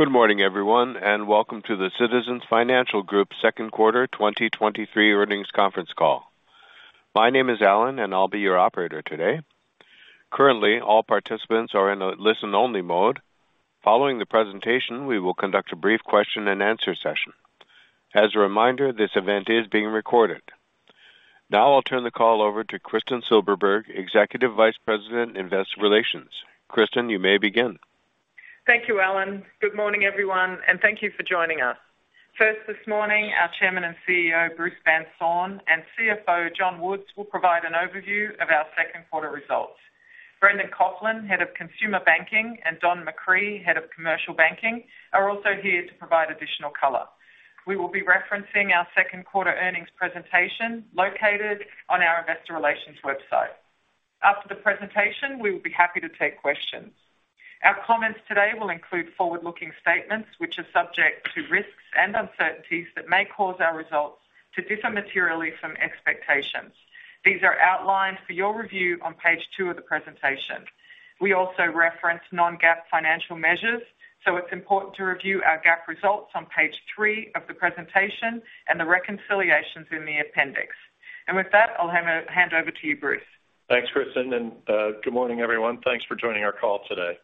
Good morning, everyone, welcome to the Citizens Financial Group second quarter 2023 earnings conference call. My name is Alan, I'll be your operator today. Currently, all participants are in a listen-only mode. Following the presentation, we will conduct a brief question-and-answer session. As a reminder, this event is being recorded. Now I'll turn the call over to Kristin Silberberg, Executive Vice President, Investor Relations. Kristin, you may begin. Thank you, Alan. Good morning, everyone, and thank you for joining us. First, this morning, our Chairman and CEO, Bruce Van Saun, and CFO, John Woods, will provide an overview of our second quarter results. Brendan Coughlin, Head of Consumer Banking, and Don McCree, Head of Commercial Banking, are also here to provide additional color. We will be referencing our second quarter earnings presentation located on our investor relations website. After the presentation, we will be happy to take questions. Our comments today will include forward-looking statements, which are subject to risks and uncertainties that may cause our results to differ materially from expectations. These are outlined for your review on page two of the presentation. We also reference non-GAAP financial measures, so it's important to review our GAAP results on page three of the presentation and the reconciliations in the appendix. With that, I'll hand over to you, Bruce. Thanks, Kristin, good morning, everyone. Thanks for joining our call today.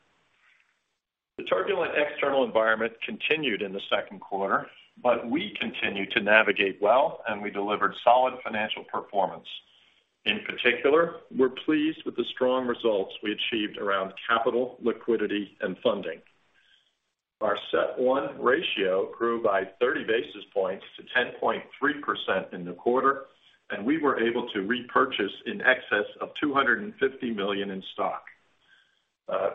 The turbulent external environment continued in the second quarter, we continued to navigate well and we delivered solid financial performance. In particular, we're pleased with the strong results we achieved around capital, liquidity, and funding. Our CET1 ratio grew by 30 basis points to 10.3% in the quarter, and we were able to repurchase in excess of $250 million in stock.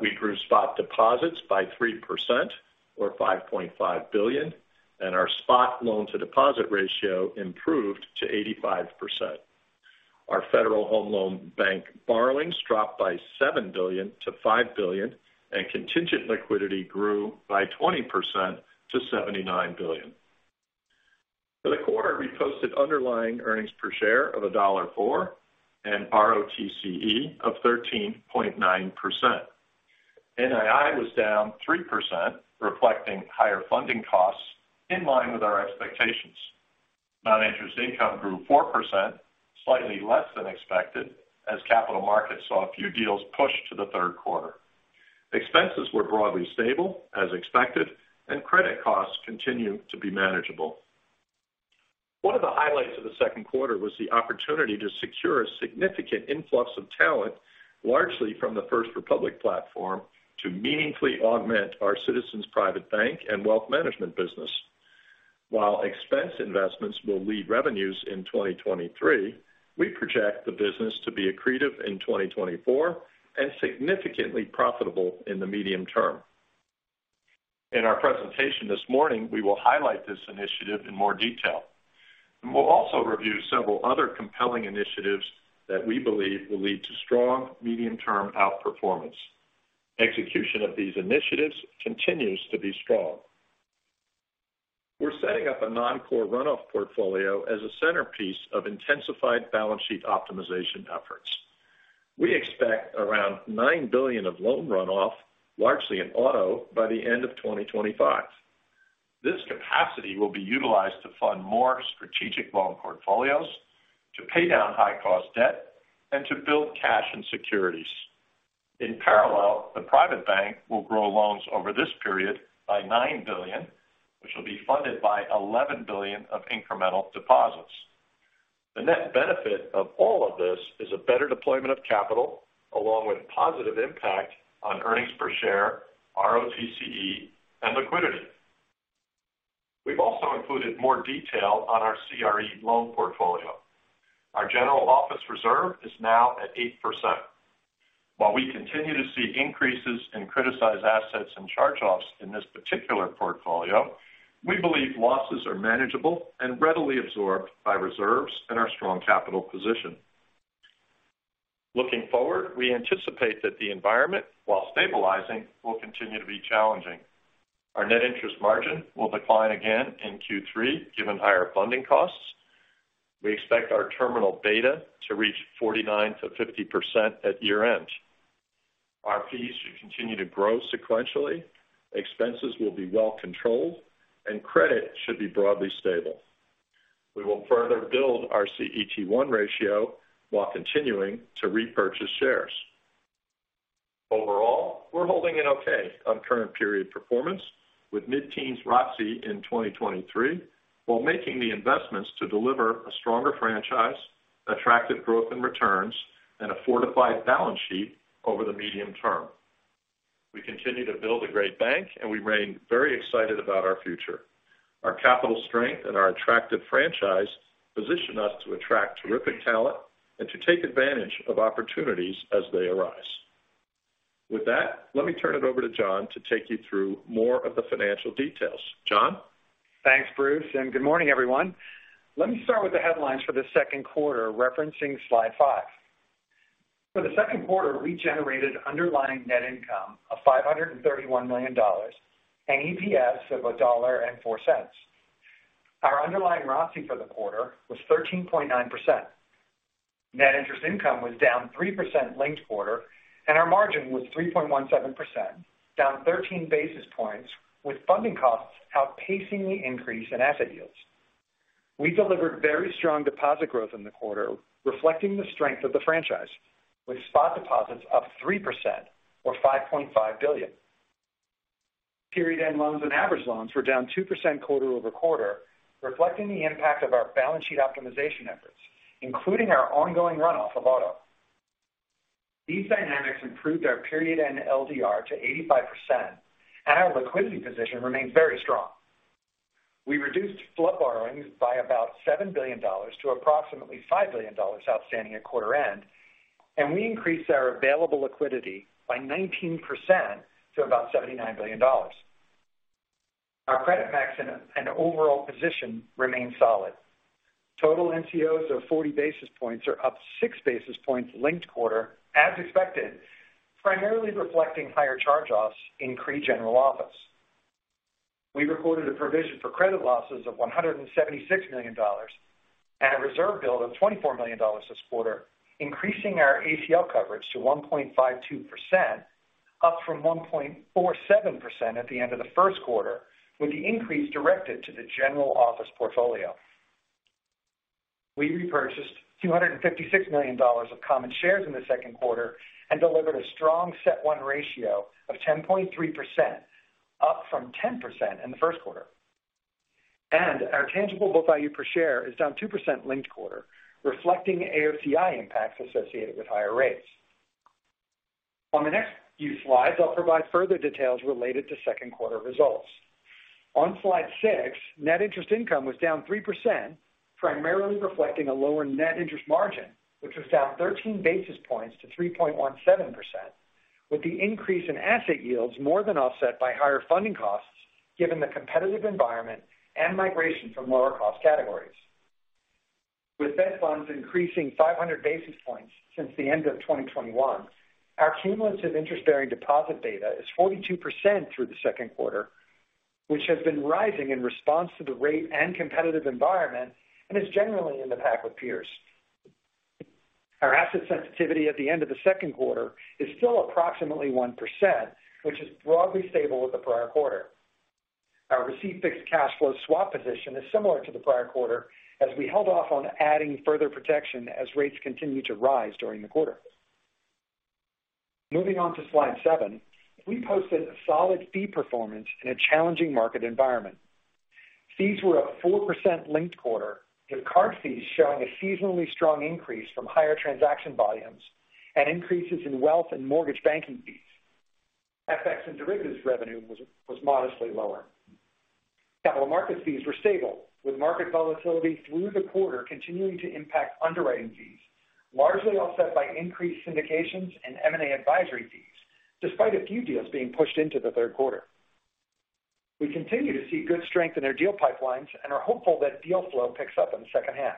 We grew spot deposits by 3% or $5.5 billion, and our spot loan-to-deposit ratio improved to 85%. Our Federal Home Loan Bank borrowings dropped by $7 billion to $5 billion, and contingent liquidity grew by 20% to $79 billion. For the quarter, we posted underlying earnings per share of $1.04 and ROTCE of 13.9%. NII was down 3%, reflecting higher funding costs in line with our expectations. Non-interest income grew 4%, slightly less than expected, as capital markets saw a few deals pushed to the third quarter. Expenses were broadly stable, as expected, and credit costs continue to be manageable. One of the highlights of the second quarter was the opportunity to secure a significant influx of talent, largely from the First Republic platform, to meaningfully augment our Citizens Private Bank and wealth management business. While expense investments will lead revenues in 2023, we project the business to be accretive in 2024 and significantly profitable in the medium term. In our presentation this morning, we will highlight this initiative in more detail. We'll also review several other compelling initiatives that we believe will lead to strong medium-term outperformance. Execution of these initiatives continues to be strong. We're setting up a non-core run-off portfolio as a centerpiece of intensified balance sheet optimization efforts. We expect around $9 billion of loan runoff, largely in auto, by the end of 2025. This capacity will be utilized to fund more strategic loan portfolios, to pay down high-cost debt, and to build cash and securities. In parallel, the private bank will grow loans over this period by $9 billion, which will be funded by $11 billion of incremental deposits. The net benefit of all of this is a better deployment of capital, along with positive impact on earnings per share, ROTCE, and liquidity. We've also included more detail on our CRE loan portfolio. Our general office reserve is now at 8%. While we continue to see increases in criticized assets and charge-offs in this particular portfolio, we believe losses are manageable and readily absorbed by reserves and our strong capital position. Looking forward, we anticipate that the environment, while stabilizing, will continue to be challenging. Our net interest margin will decline again in Q3, given higher funding costs. We expect our terminal beta to reach 49%-50% at year-end. Our fees should continue to grow sequentially, expenses will be well controlled, and credit should be broadly stable. We will further build our CET1 ratio while continuing to repurchase shares. Overall, we're holding an okay on current period performance with mid-teens ROTCE in 2023, while making the investments to deliver a stronger franchise, attractive growth in returns, and a fortified balance sheet over the medium term. We continue to build a great bank, and we remain very excited about our future. Our capital strength and our attractive franchise position us to attract terrific talent and to take advantage of opportunities as they arise. With that, let me turn it over to John to take you through more of the financial details. John? Thanks, Bruce, and good morning, everyone. Let me start with the headlines for the second quarter, referencing slide five. For the second quarter, we generated underlying net income of $531 million and EPS of $1.04. Our underlying ROTCE for the quarter was 13.9%. Net interest income was down 3% linked quarter, and our margin was 3.17%, down 13 basis points, with funding costs outpacing the increase in asset yields. We delivered very strong deposit growth in the quarter, reflecting the strength of the franchise, with spot deposits up 3% or $5.5 billion. Period end loans and average loans were down 2% quarter-over-quarter, reflecting the impact of our balance sheet optimization efforts, including our ongoing runoff of auto. These dynamics improved our period-end LDR to 85%, and our liquidity position remains very strong. We reduced FHLB borrowings by about $7 billion to approximately $5 billion outstanding at quarter end, and we increased our available liquidity by 19% to about $79 billion. Our credit maximum and overall position remain solid. Total NCOs of 40 basis points are up 6 basis points linked quarter, as expected, primarily reflecting higher charge-offs in CRE General Office. We recorded a provision for credit losses of $176 million and a reserve build of $24 million this quarter, increasing our ACL coverage to 1.52%, up from 1.47% at the end of the first quarter, with the increase directed to the general office portfolio. We repurchased $256 million of common shares in the second quarter and delivered a strong CET1 ratio of 10.3%, up from 10% in the first quarter. Our tangible book value per share is down 2% linked quarter, reflecting AOCI impacts associated with higher rates. On the next few slides, I'll provide further details related to second quarter results. On slide six, net interest income was down 3%, primarily reflecting a lower net interest margin, which was down 13 basis points to 3.17%, with the increase in asset yields more than offset by higher funding costs, given the competitive environment and migration from lower cost categories. With Fed Funds increasing 500 basis points since the end of 2021, our cumulative interest-bearing deposit data is 42% through the second quarter, which has been rising in response to the rate and competitive environment and is generally in the pack with peers. Our asset sensitivity at the end of the second quarter is still approximately 1%, which is broadly stable with the prior quarter. Our received fixed cash flow swap position is similar to the prior quarter, as we held off on adding further protection as rates continued to rise during the quarter. Moving on to slide seven. We posted a solid fee performance in a challenging market environment. Fees were up 4% linked quarter, with card fees showing a seasonally strong increase from higher transaction volumes and increases in wealth and mortgage banking fees. FX and derivatives revenue was modestly lower. Capital markets fees were stable, with market volatility through the quarter continuing to impact underwriting fees, largely offset by increased syndications and M&A advisory fees, despite a few deals being pushed into the third quarter. We continue to see good strength in our deal pipelines and are hopeful that deal flow picks up in the second half.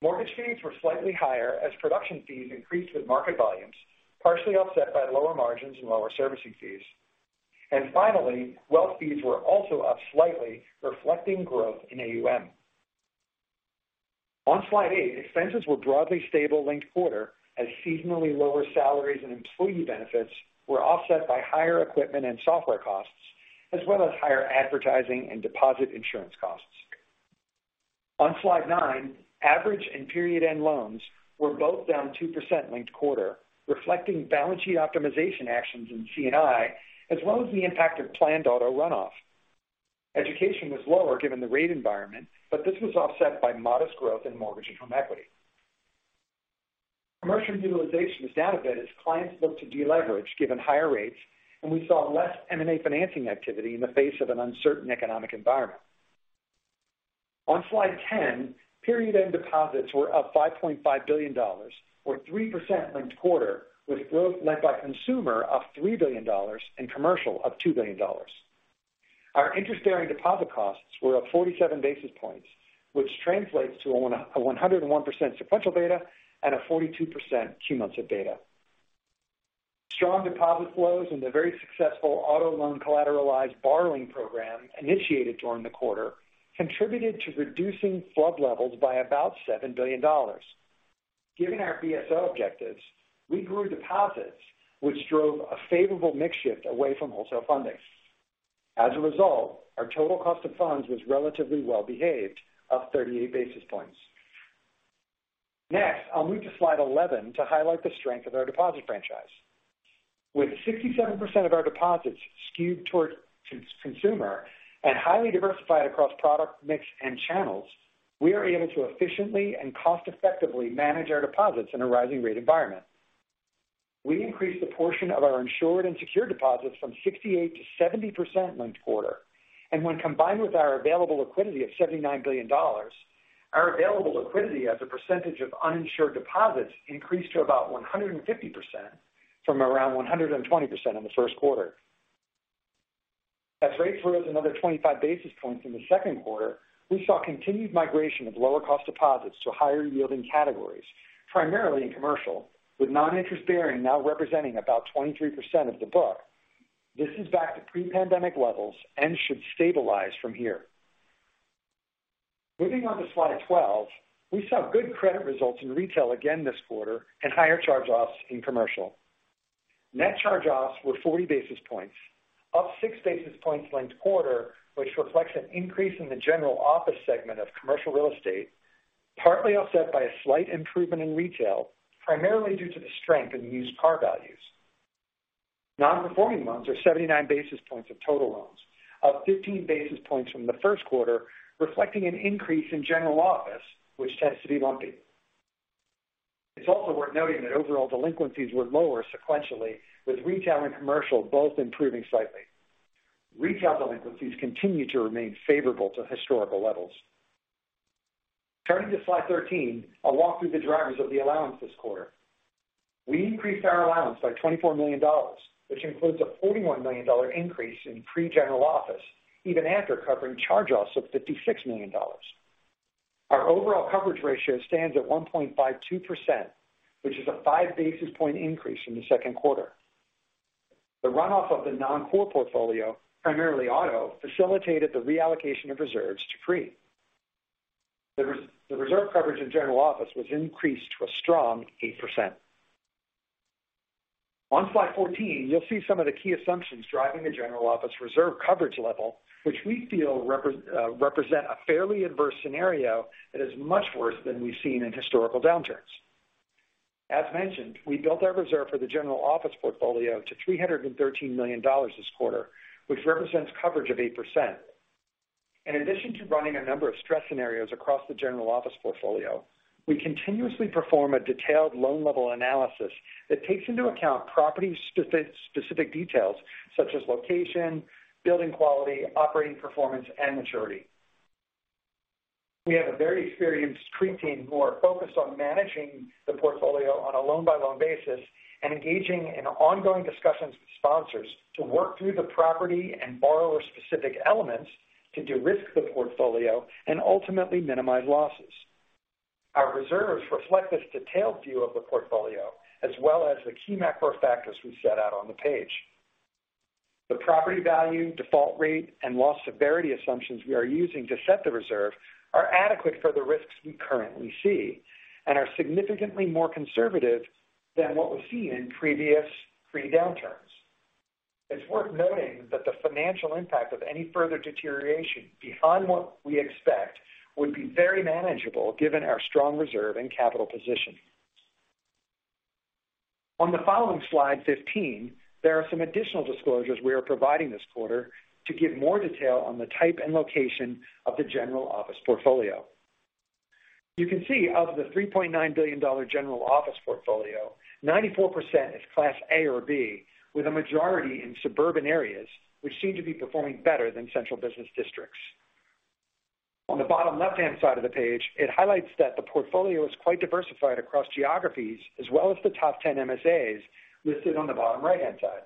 Mortgage fees were slightly higher as production fees increased with market volumes, partially offset by lower margins and lower servicing fees. Finally, wealth fees were also up slightly, reflecting growth in AUM. On slide eight, expenses were broadly stable linked quarter, as seasonally lower salaries and employee benefits were offset by higher equipment and software costs, as well as higher advertising and deposit insurance costs. On slide nine, average and period-end loans were both down 2% linked quarter, reflecting balance sheet optimization actions in C&I, as well as the impact of planned auto runoff. This was offset by modest growth in mortgage and home equity. Commercial utilization was down a bit as clients looked to deleverage given higher rates. We saw less M&A financing activity in the face of an uncertain economic environment. On slide 10, period-end deposits were up $5.5 billion or 3% linked quarter, with growth led by consumer of $3 billion and commercial of $2 billion. Our interest-bearing deposit costs were up 47 basis points, which translates to a 101% sequential data and a 42% cumulative data. Strong deposit flows and the very successful auto loan collateralized borrowing program initiated during the quarter contributed to reducing flood levels by about $7 billion. Given our BSO objectives, we grew deposits, which drove a favorable mix shift away from wholesale funding. As a result, our total cost of funds was relatively well behaved, up 38 basis points. Next, I'll move to slide 11 to highlight the strength of our deposit franchise. With 67% of our deposits skewed towards consumer and highly diversified across product mix and channels, we are able to efficiently and cost effectively manage our deposits in a rising rate environment. We increased the portion of our insured and secured deposits from 68 to 70% linked quarter, and when combined with our available liquidity of $79 billion, our available liquidity as a percentage of uninsured deposits increased to about 150% from around 120% in the first quarter. Rates rose another 25 basis points in the second quarter, we saw continued migration of lower cost deposits to higher yielding categories. Primarily in commercial, with non-interest bearing now representing about 23% of the book. This is back to pre-pandemic levels and should stabilize from here. Moving on to slide 12, we saw good credit results in retail again this quarter and higher charge-offs in commercial. Net charge-offs were 40 basis points, up 6 basis points linked quarter, which reflects an increase in the general office segment of commercial real estate, partly offset by a slight improvement in retail, primarily due to the strength in used car values. Non-performing loans are 79 basis points of total loans, up 15 basis points from the first quarter, reflecting an increase in general office, which tends to be lumpy. It's also worth noting that overall delinquencies were lower sequentially, with retail and commercial both improving slightly. Retail delinquencies continue to remain favorable to historical levels. Turning to slide 13, I'll walk through the drivers of the allowance this quarter. We increased our allowance by $24 million, which includes a $41 million increase in CRE General Office, even after covering charge-offs of $56 million. Our overall coverage ratio stands at 1.52%, which is a 5 basis point increase from the second quarter. The runoff of the non-core portfolio, primarily auto, facilitated the reallocation of reserves to pre. The reserve coverage in general office was increased to a strong 8%. On slide 14, you'll see some of the key assumptions driving the general office reserve coverage level, which we feel represent a fairly adverse scenario that is much worse than we've seen in historical downturns. As mentioned, we built our reserve for the general office portfolio to $313 million this quarter, which represents coverage of 8%. In addition to running a number of stress scenarios across the General Office portfolio, we continuously perform a detailed loan-level analysis that takes into account property specific details such as location, building quality, operating performance, and maturity. We have a very experienced street team who are focused on managing the portfolio on a loan-by-loan basis and engaging in ongoing discussions with sponsors to work through the property and borrower-specific elements to de-risk the portfolio and ultimately minimize losses. Our reserves reflect this detailed view of the portfolio, as well as the key macro factors we've set out on the page. The property value, default rate, and loss severity assumptions we are using to set the reserve are adequate for the risks we currently see and are significantly more conservative than what we've seen in previous pre-downturns. It's worth noting that the financial impact of any further deterioration behind what we expect would be very manageable given our strong reserve and capital position. On the following slide, 15, there are some additional disclosures we are providing this quarter to give more detail on the type and location of the general office portfolio. You can see out of the $3.9 billion general office portfolio, 94% is Class A or B, with a majority in suburban areas, which seem to be performing better than central business districts. On the bottom left-hand side of the page, it highlights that the portfolio is quite diversified across geographies as well as the top 10 MSAs listed on the bottom right-hand side.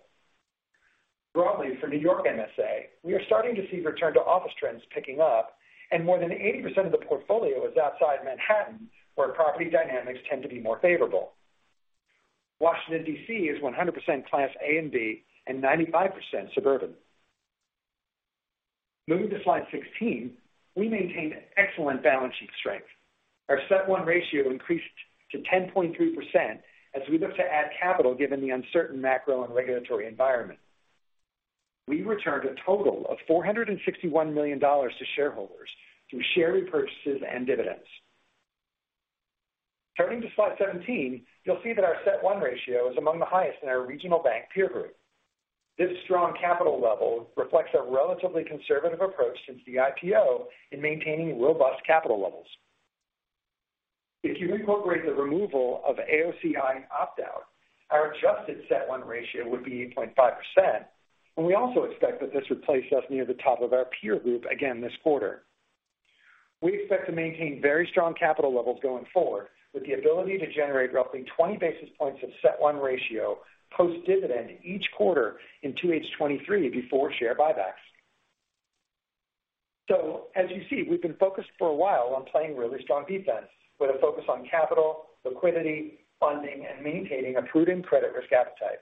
Broadly, for New York MSA, we are starting to see return to office trends picking up. More than 80% of the portfolio is outside Manhattan, where property dynamics tend to be more favorable. Washington, D.C., is 100% Class A and B and 95% suburban. Moving to slide 16, we maintained excellent balance sheet strength. Our CET1 ratio increased to 10.3% as we look to add capital given the uncertain macro and regulatory environment. We returned a total of $461 million to shareholders through share repurchases and dividends. Turning to slide 17, you'll see that our CET1 ratio is among the highest in our regional bank peer group. This strong capital level reflects a relatively conservative approach since the IPO in maintaining robust capital levels. If you incorporate the removal of AOCI opt-out, our adjusted CET1 ratio would be 8.5%. We also expect that this would place us near the top of our peer group again this quarter. We expect to maintain very strong capital levels going forward, with the ability to generate roughly 20 basis points of CET1 ratio, post-dividend each quarter in 2H 2023 before share buybacks. As you see, we've been focused for a while on playing really strong defense with a focus on capital, liquidity, funding, and maintaining a prudent credit risk appetite.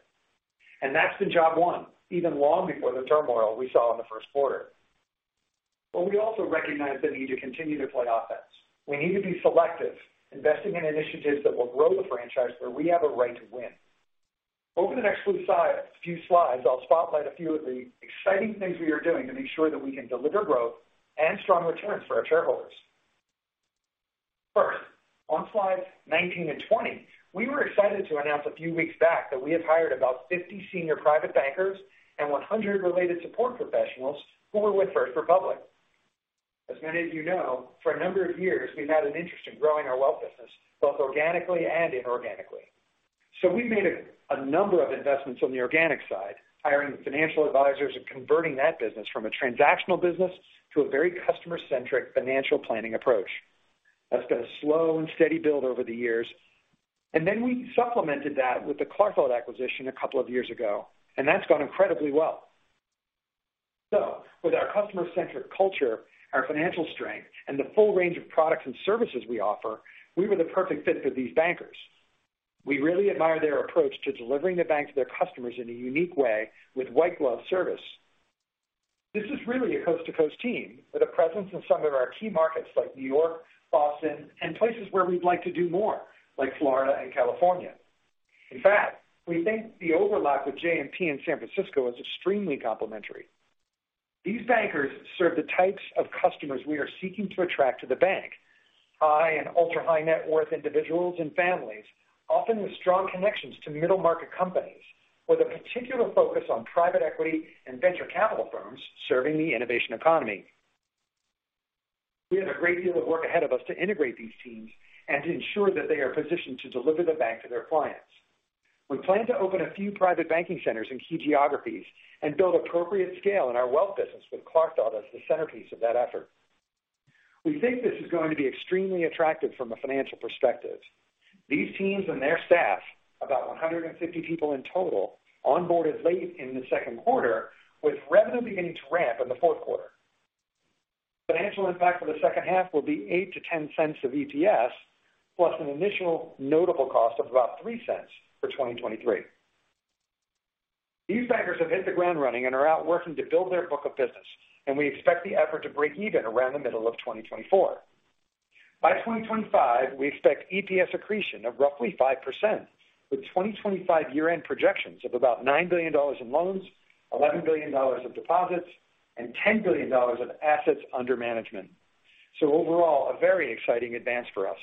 That's been job one, even long before the turmoil we saw in the first quarter. We also recognize the need to continue to play offense. We need to be selective, investing in initiatives that will grow the franchise where we have a right to win. Over the next few slides, I'll spotlight a few of the exciting things we are doing to make sure that we can deliver growth and strong returns for our shareholders. First, on slides 19 and 20, we were excited to announce a few weeks back that we have hired about 50 senior private bankers and 100 related support professionals who were with First Republic. As many of you know, for a number of years, we've had an interest in growing our wealth business, both organically and inorganically. We made a number of investments on the organic side, hiring financial advisors and converting that business from a transactional business to a very customer-centric financial planning approach. That's been a slow and steady build over the years. Then we supplemented that with the Clarfeld acquisition two years ago, and that's gone incredibly well. With our customer-centric culture, our financial strength, and the full range of products and services we offer, we were the perfect fit for these bankers. We really admire their approach to delivering the bank to their customers in a unique way with white glove service. This is really a coast-to-coast team with a presence in some of our key markets like New York, Boston, and places where we'd like to do more, like Florida and California. In fact, we think the overlap with JMP in San Francisco is extremely complementary. These bankers serve the types of customers we are seeking to attract to the bank, high and ultra-high net worth individuals and families, often with strong connections to middle-market companies, with a particular focus on private equity and venture capital firms serving the innovation economy. We have a great deal of work ahead of us to integrate these teams and to ensure that they are positioned to deliver the bank to their clients. We plan to open a few private banking centers in key geographies and build appropriate scale in our wealth business, with Clarfeld as the centerpiece of that effort. We think this is going to be extremely attractive from a financial perspective. These teams and their staff, about 150 people in total, onboarded late in the second quarter, with revenue beginning to ramp in the fourth quarter. Financial impact for the second half will be $0.08-$0.10 of EPS, plus an initial notable cost of about $0.03 for 2023. These bankers have hit the ground running and are out working to build their book of business, and we expect the effort to break even around the middle of 2024. By 2025, we expect EPS accretion of roughly 5%, with 2025 year-end projections of about $9 billion in loans, $11 billion of deposits, and $10 billion of assets under management. Overall, a very exciting advance for us.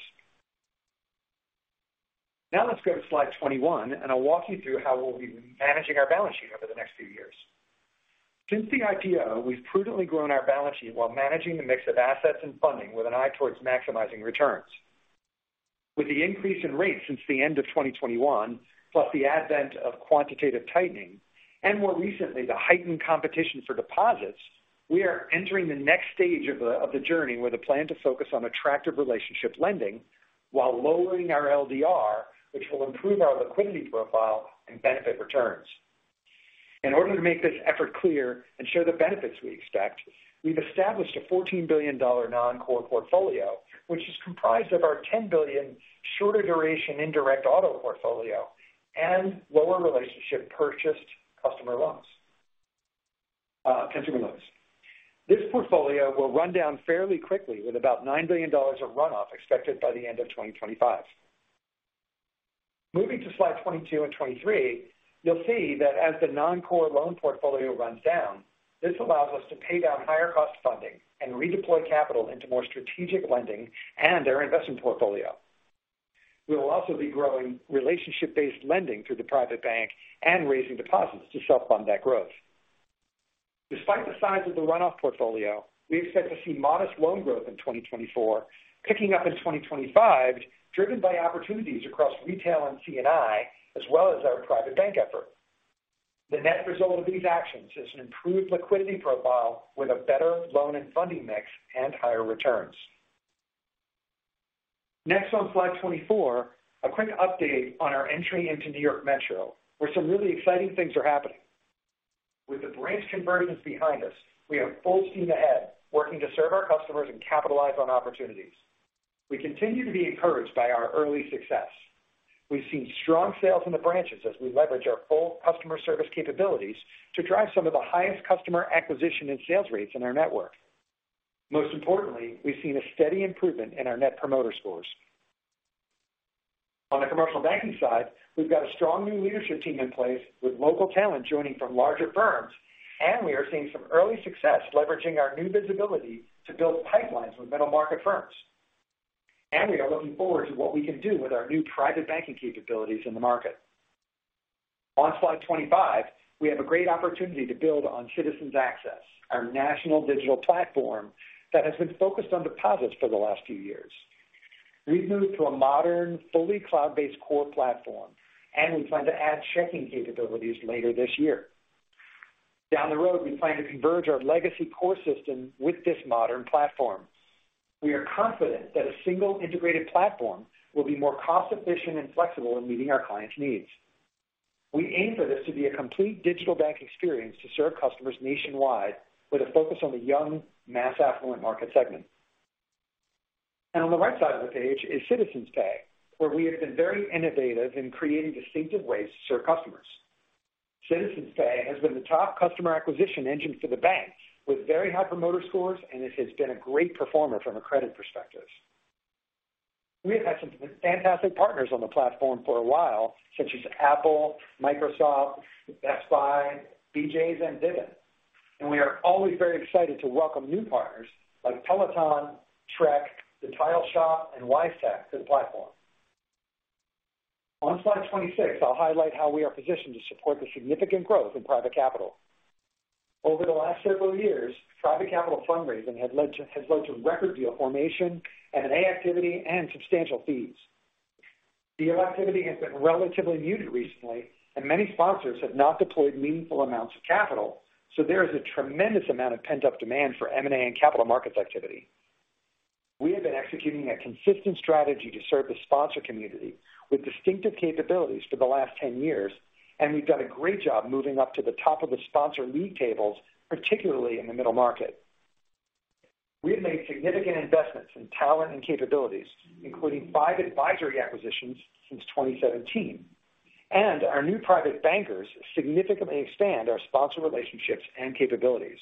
Let's go to slide 21, and I'll walk you through how we'll be managing our balance sheet over the next few years. Since the IPO, we've prudently grown our balance sheet while managing the mix of assets and funding with an eye towards maximizing returns. With the increase in rates since the end of 2021, plus the advent of quantitative tightening and more recently, the heightened competition for deposits, we are entering the next stage of the journey with a plan to focus on attractive relationship lending while lowering our LDR, which will improve our liquidity profile and benefit returns. In order to make this effort clear and show the benefits we expect, we've established a $14 billion non-core portfolio, which is comprised of our $10 billion shorter duration indirect auto portfolio and lower relationship purchased customer loans, consumer loans. This portfolio will run down fairly quickly, with about $9 billion of runoff expected by the end of 2025. Moving to slide 22 and 23, you'll see that as the non-core loan portfolio runs down, this allows us to pay down higher cost funding and redeploy capital into more strategic lending and our investment portfolio. We will also be growing relationship-based lending through the private bank and raising deposits to self-fund that growth. Despite the size of the runoff portfolio, we expect to see modest loan growth in 2024, picking up in 2025, driven by opportunities across retail and C&I, as well as our private bank effort. The net result of these actions is an improved liquidity profile with a better loan and funding mix and higher returns. On slide 24, a quick update on our entry into New York Metro, where some really exciting things are happening. With the branch convergence behind us, we have full steam ahead, working to serve our customers and capitalize on opportunities. We continue to be encouraged by our early success. We've seen strong sales in the branches as we leverage our full customer service capabilities to drive some of the highest customer acquisition and sales rates in our network. Most importantly, we've seen a steady improvement in our net promoter scores. On the commercial banking side, we've got a strong new leadership team in place with local talent joining from larger firms, and we are seeing some early success leveraging our new visibility to build pipelines with middle-market firms. We are looking forward to what we can do with our new private banking capabilities in the market. On slide 25, we have a great opportunity to build on Citizens Access, our national digital platform that has been focused on deposits for the last few years. We've moved to a modern, fully cloud-based core platform, and we plan to add checking capabilities later this year. Down the road, we plan to converge our legacy core system with this modern platform. We are confident that a single integrated platform will be more cost efficient and flexible in meeting our clients' needs. We aim for this to be a complete digital bank experience to serve customers nationwide with a focus on the young, mass affluent market segment. On the right side of the page is Citizens Pay, where we have been very innovative in creating distinctive ways to serve customers. Citizens Pay has been the top customer acquisition engine for the bank, with very high promoter scores, and it has been a great performer from a credit perspective. We have had some fantastic partners on the platform for a while, such as Apple, Microsoft, Best Buy, BJ's, and Vivint, and we are always very excited to welcome new partners like Peloton, Trek, The Tile Shop, and Wisetack to the platform. On slide 26, I'll highlight how we are positioned to support the significant growth in private capital. Over the last several years, private capital fundraising has led to record deal formation and M&A activity and substantial fees. Deal activity has been relatively muted recently, and many sponsors have not deployed meaningful amounts of capital, so there is a tremendous amount of pent-up demand for M&A and capital markets activity. We have been executing a consistent strategy to serve the sponsor community with distinctive capabilities for the last 10 years, and we've done a great job moving up to the top of the sponsor lead tables, particularly in the middle market. We have made significant investments in talent and capabilities, including five advisory acquisitions since 2017, and our new private bankers significantly expand our sponsor relationships and capabilities.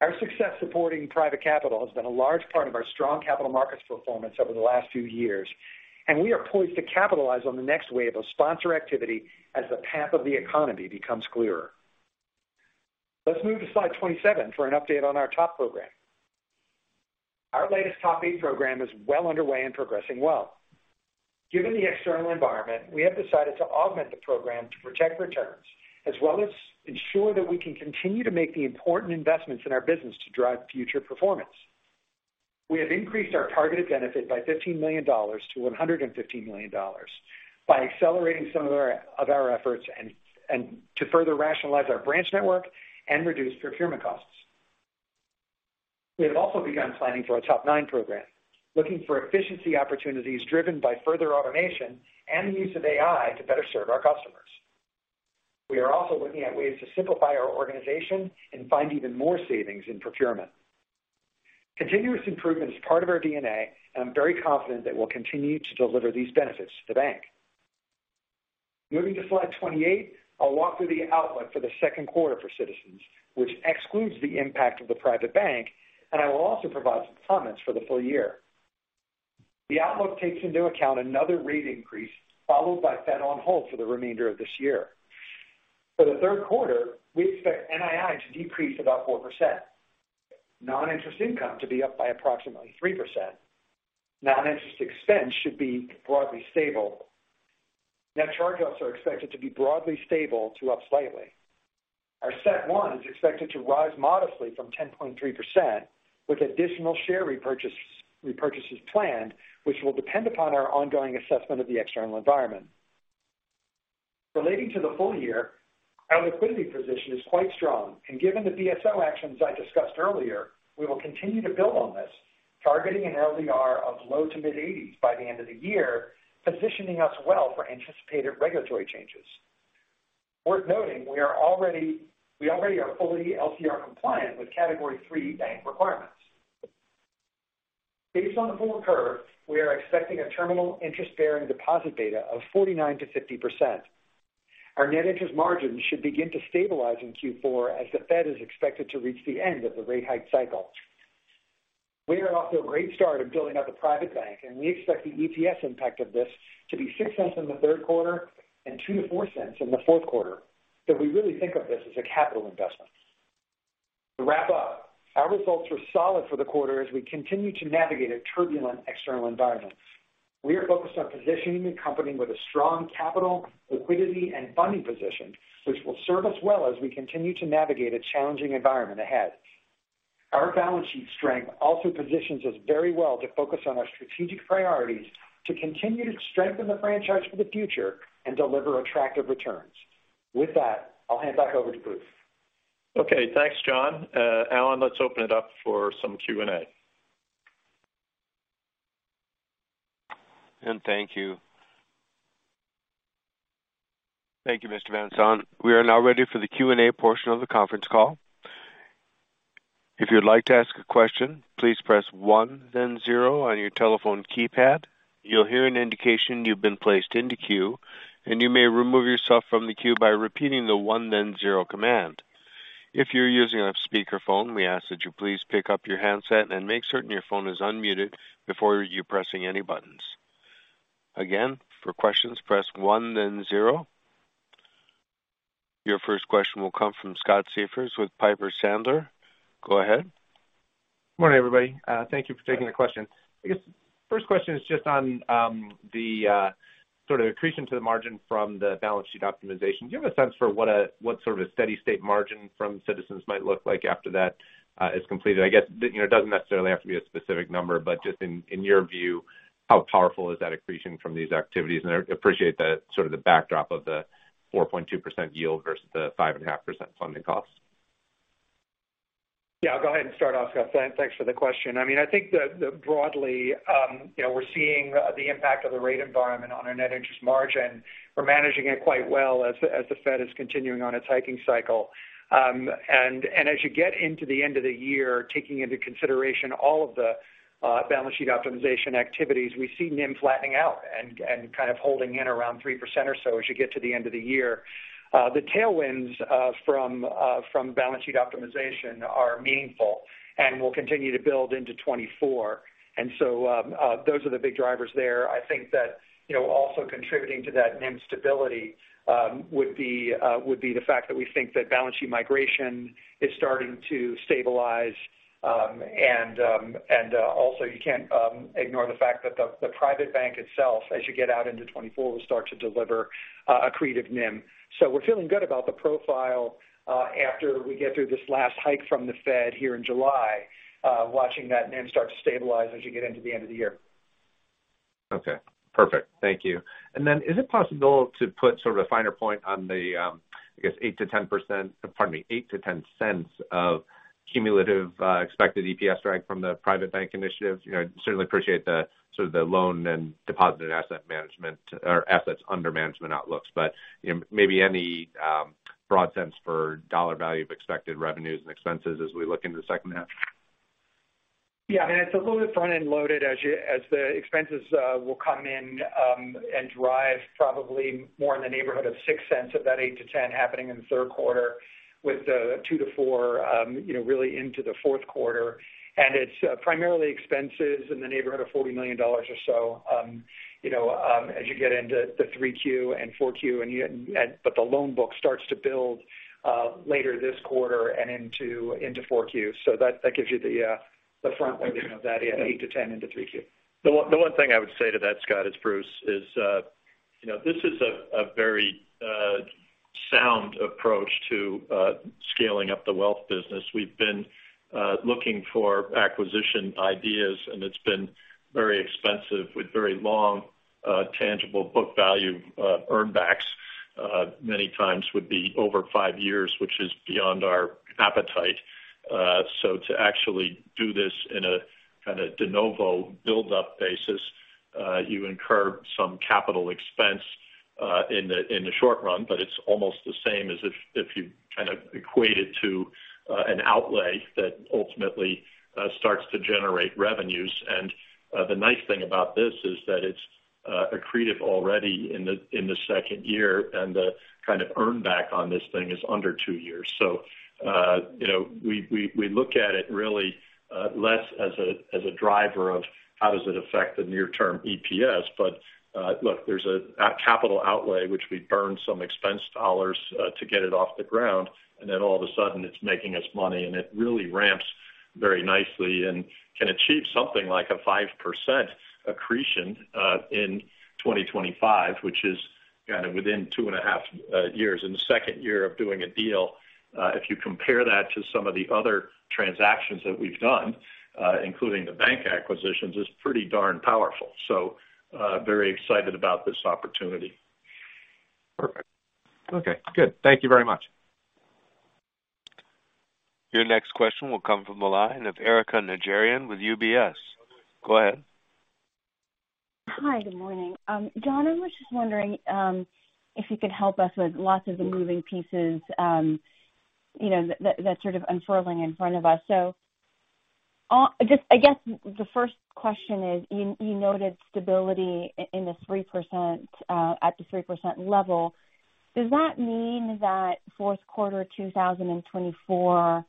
Our success supporting private capital has been a large part of our strong capital markets performance over the last two years, and we are poised to capitalize on the next wave of sponsor activity as the path of the economy becomes clearer. Let's move to slide 27 for an update on our TOP program. Our latest TOP 8 program is well underway and progressing well. Given the external environment, we have decided to augment the program to protect returns, as well as ensure that we can continue to make the important investments in our business to drive future performance. We have increased our targeted benefit by $15 million to $115 million by accelerating some of our efforts and to further rationalize our branch network and reduce procurement costs. We have also begun planning for our TOP 9 program, looking for efficiency opportunities driven by further automation and the use of AI to better serve our customers. We are also looking at ways to simplify our organization and find even more savings in procurement. Continuous improvement is part of our DNA, and I'm very confident that we'll continue to deliver these benefits to the bank. Moving to slide 28, I'll walk through the outlook for the second quarter for Citizens, which excludes the impact of the private bank, and I will also provide some comments for the full year. The outlook takes into account another rate increase, followed by Fed on hold for the remainder of this year. For the third quarter, we expect NII to decrease about 4%. Non-interest income to be up by approximately 3%. Non-interest expense should be broadly stable. Net charge-offs are expected to be broadly stable to up slightly. Our CET1 is expected to rise modestly from 10.3%, with additional share repurchases planned, which will depend upon our ongoing assessment of the external environment. Relating to the full year, our liquidity position is quite strong, and given the DSO actions I discussed earlier, we will continue to build on this, targeting an LDR of low to mid-80s by the end of the year, positioning us well for anticipated regulatory changes. Worth noting, we already are fully LCR compliant with Category III bank requirements. Based on the full curve, we are expecting a terminal interest-bearing deposit beta of 49%-50%. Our net interest margin should begin to stabilize in Q4 as the Fed is expected to reach the end of the rate hike cycle. We are off to a great start of building out the private bank. We expect the EPS impact of this to be $0.06 in the third quarter and $0.02-$0.04 in the fourth quarter. We really think of this as a capital investment. To wrap up, our results were solid for the quarter as we continue to navigate a turbulent external environment. We are focused on positioning the company with a strong capital, liquidity, and funding position, which will serve us well as we continue to navigate a challenging environment ahead. Our balance sheet strength also positions us very well to focus on our strategic priorities, to continue to strengthen the franchise for the future and deliver attractive returns. With that, I'll hand back over to Bruce. Okay, thanks, John. Alan, let's open it up for some Q&A. Thank you. Thank you, Mr. Van Saun. We are now ready for the Q&A portion of the conference call. If you'd like to ask a question, please press one, then zero on your telephone keypad. You'll hear an indication you've been placed into queue, and you may remove yourself from the queue by repeating the one, then zero command. If you're using a speakerphone, we ask that you please pick up your handset and make certain your phone is unmuted before you pressing any buttons. Again, for questions, press one, then zero our first question will come from Scott Siefers with Piper Sandler. Go ahead. Good morning, everybody. Thank you for taking the question. I guess first question is just on the sort of accretion to the margin from the balance sheet optimization. Do you have a sense for what sort of a steady state margin from Citizens might look like after that is completed? I guess, you know, it doesn't necessarily have to be a specific number, but just in your view, how powerful is that accretion from these activities? I appreciate the sort of the backdrop of the 4.2% yield versus the 5.5% funding cost. Yeah, I'll go ahead and start off, Scott. Thanks for the question. I mean, I think that broadly, you know, we're seeing the impact of the rate environment on our net interest margin. We're managing it quite well as the Fed is continuing on its hiking cycle. As you get into the end of the year, taking into consideration all of the balance sheet optimization activities, we see NIM flattening out and kind of holding in around 3% or so as you get to the end of the year. The tailwinds from balance sheet optimization are meaningful and will continue to build into 2024. Those are the big drivers there. I think that, you know, also contributing to that NIM stability, would be the fact that we think that balance sheet migration is starting to stabilize. Also, you can't ignore the fact that the private bank itself, as you get out into 2024, will start to deliver accretive NIM. We're feeling good about the profile after we get through this last hike from the Fed here in July, watching that NIM start to stabilize as you get into the end of the year. Okay, perfect. Thank you. Is it possible to put sort of a finer point on the, I guess 8%-10%, pardon me, $0.08-$0.10 of cumulative expected EPS drag from the private bank initiative? You know, I certainly appreciate the sort of the loan and deposit asset management or assets under management outlooks, but, you know, maybe any broad sense for dollar value of expected revenues and expenses as we look into the second half? I mean, it's a little bit front-end loaded as the expenses will come in and drive probably more in the neighborhood of $0.06 of that $0.08-$0.10 happening in the third quarter with the $0.02-$0.04, you know, really into the fourth quarter. It's primarily expenses in the neighborhood of $40 million or so, you know, as you get into the 3Q and 4Q, the loan book starts to build later this quarter and into 4Q. That gives you the frontloading of that $0.08-$0.10 into 3Q. The one thing I would say to that, Scott, is Bruce, you know, this is a very sound approach to scaling up the wealth business. We've been looking for acquisition ideas, and it's been very expensive with very long tangible book value earn backs, many times would be over five years, which is beyond our appetite. So to actually do this in a kind of de novo build-up basis, you incur some capital expense in the short run, but it's almost the same as if you kind of equate it to an outlay that ultimately starts to generate revenues. The nice thing about this is that it's accretive already in the second year, and the kind of earn back on this thing is under two years. You know, we look at it really less as a driver of how does it affect the near-term EPS. Look, there's a capital outlay, which we burn some expense dollars to get it off the ground, and then all of a sudden it's making us money, and it really ramps very nicely and can achieve something like a 5% accretion in 2025, which is kind of within two and a half years, in the second year of doing a deal. If you compare that to some of the other transactions that we've done, including the bank acquisitions, is pretty darn powerful. Very excited about this opportunity. Perfect. Okay, good. Thank you very much. Your next question will come from the line of Erika Najarian with UBS. Go ahead. Hi, good morning. John, I was just wondering, if you could help us with lots of the moving pieces, you know, that's sort of unfurling in front of us. I guess the first question is, you noted stability in the 3% at the 3% level. Does that mean that fourth quarter 2024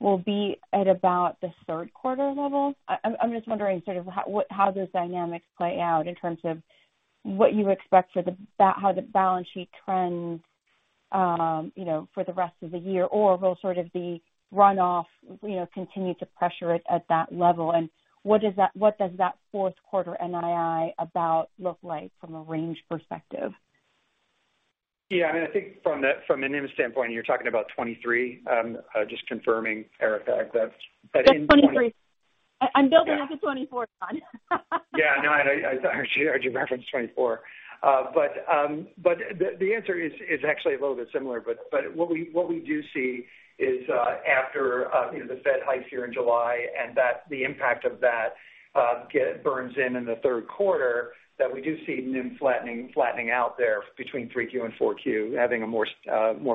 will be at about the third quarter level? I'm just wondering sort of how those dynamics play out in terms of what you expect for the balance sheet trends, you know, for the rest of the year? Will sort of the runoff, you know, continue to pressure it at that level? What does that fourth quarter NII about look like from a range perspective? Yeah, I mean, I think from a NIM standpoint, you're talking about 23, just confirming, Erika? 23. I'm building up to 24, John. Yeah, no, I heard you, heard you reference 24. The answer is actually a little bit similar. What we do see is, after, you know, the Fed hikes here in July, and that the impact of that burns in the third quarter, that we do see NIM flattening out there between 3Q and 4Q, having a more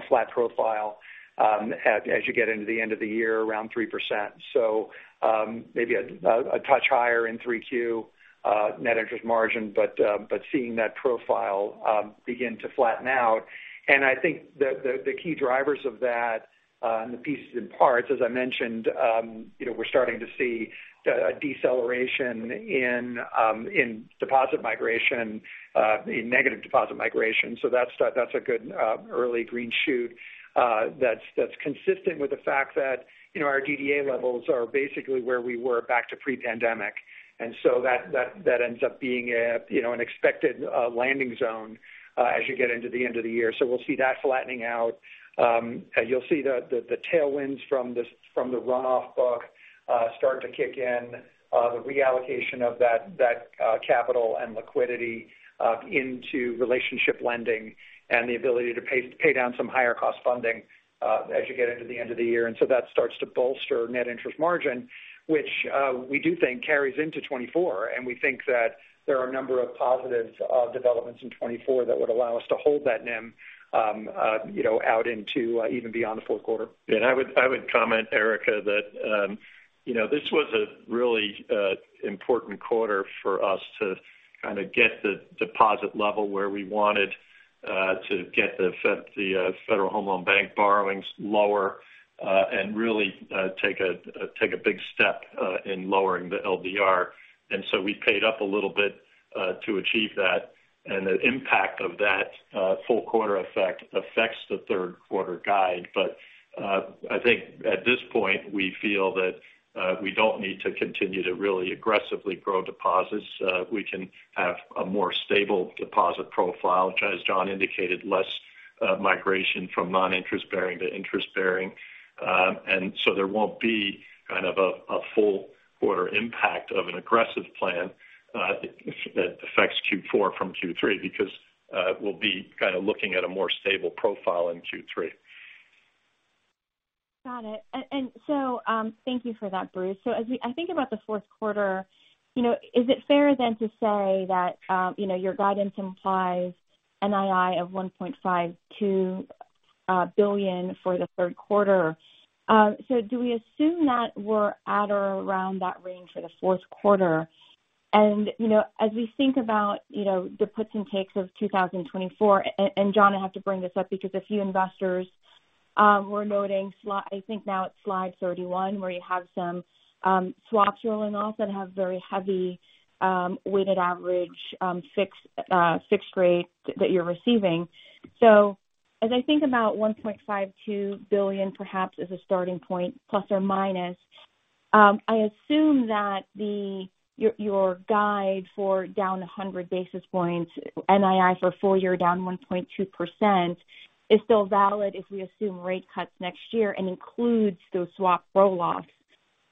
flat profile, as you get into the end of the year, around 3%. Maybe a touch higher in 3Q, net interest margin, but seeing that profile begin to flatten out. I think the key drivers of that, and the pieces and parts, as I mentioned, you know, we're starting to see a deceleration in deposit migration, in negative deposit migration. That's a good early green shoot. That's consistent with the fact that, you know, our DDA levels are basically where we were back to pre-pandemic, and so that ends up being a, you know, an expected landing zone, as you get into the end of the year. We'll see that flattening out. You'll see the tailwinds from this, from the runoff book, start to kick in. The reallocation of that capital and liquidity into relationship lending and the ability to pay down some higher cost funding as you get into the end of the year. That starts to bolster net interest margin, which we do think carries into 2024. We think that there are a number of positive developments in 2024 that would allow us to hold that NIM, you know, out into even beyond the fourth quarter. I would comment, Erika, that, you know, this was a really important quarter for us to kind of get the deposit level where we wanted, to get the Federal Home Loan Bank borrowings lower, and really take a big step in lowering the LDR. We paid up a little bit to achieve that, and the impact of that, full quarter effect affects the third quarter guide. I think at this point, we feel that we don't need to continue to really aggressively grow deposits. We can have a more stable deposit profile, which as John indicated, less migration from non-interest bearing to interest bearing. There won't be kind of a full quarter impact of an aggressive plan that affects Q4 from Q3, because we'll be kind of looking at a more stable profile in Q3. Got it. Thank you for that, Bruce. As I think about the fourth quarter, you know, is it fair then to say that, you know, your guidance implies NII of $1.52 billion for the third quarter? Do we assume that we're at or around that range for the fourth quarter? You know, as we think about, you know, the puts and takes of 2024, John, I have to bring this up because a few investors were noting I think now it's slide 31, where you have some swaps rolling off that have very heavy weighted average fixed fixed rate that you're receiving. As I think about $1.52 billion perhaps as a starting point, ±, I assume that your guide for down 100 basis points, NII for full year down 1.2%, is still valid if we assume rate cuts next year and includes those swap roll-offs.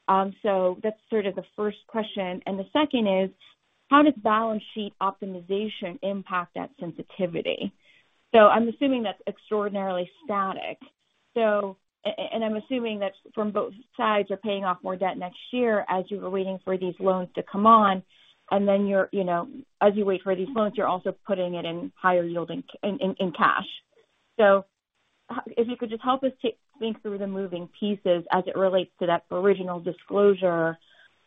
That's sort of the first question. The second is: How does balance sheet optimization impact that sensitivity? I'm assuming that's extraordinarily static. And I'm assuming that from both sides, you're paying off more debt next year as you were waiting for these loans to come on, and then you're, you know, as you wait for these loans, you're also putting it in higher yielding in cash. If you could just help us to think through the moving pieces as it relates to that original disclosure,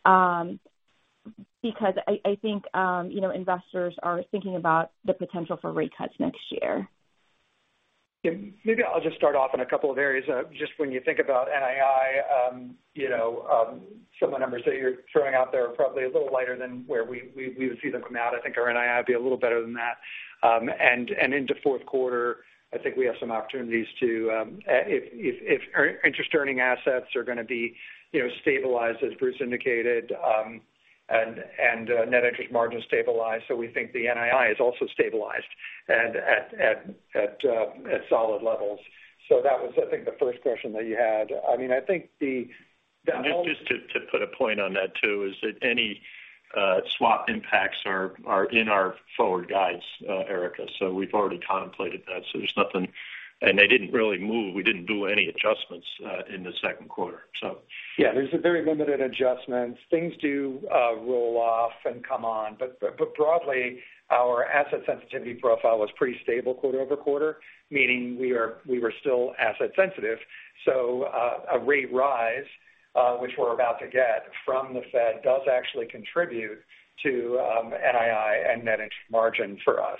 because I think, you know, investors are thinking about the potential for rate cuts next year. Yeah. Maybe I'll just start off in a couple of areas. Just when you think about NII, you know, some of the numbers that you're throwing out there are probably a little lighter than where we would see them come out. I think our NII would be a little better than that. Into fourth quarter, I think we have some opportunities to, if our interest earning assets are going to be, you know, stabilized, as Bruce indicated, and net interest margin stabilized. We think the NII is also stabilized and at solid levels. That was, I think, the first question that you had. I mean, I think the- Just to put a point on that, too, is that any swap impacts are in our forward guides, Erica. We've already contemplated that. There's nothing. They didn't really move. We didn't do any adjustments in the second quarter. There's a very limited adjustments. Things do roll off and come on, but broadly, our asset sensitivity profile was pretty stable quarter-over-quarter, meaning we were still asset sensitive. A rate rise, which we're about to get from the Fed, does actually contribute to NII and net interest margin for us.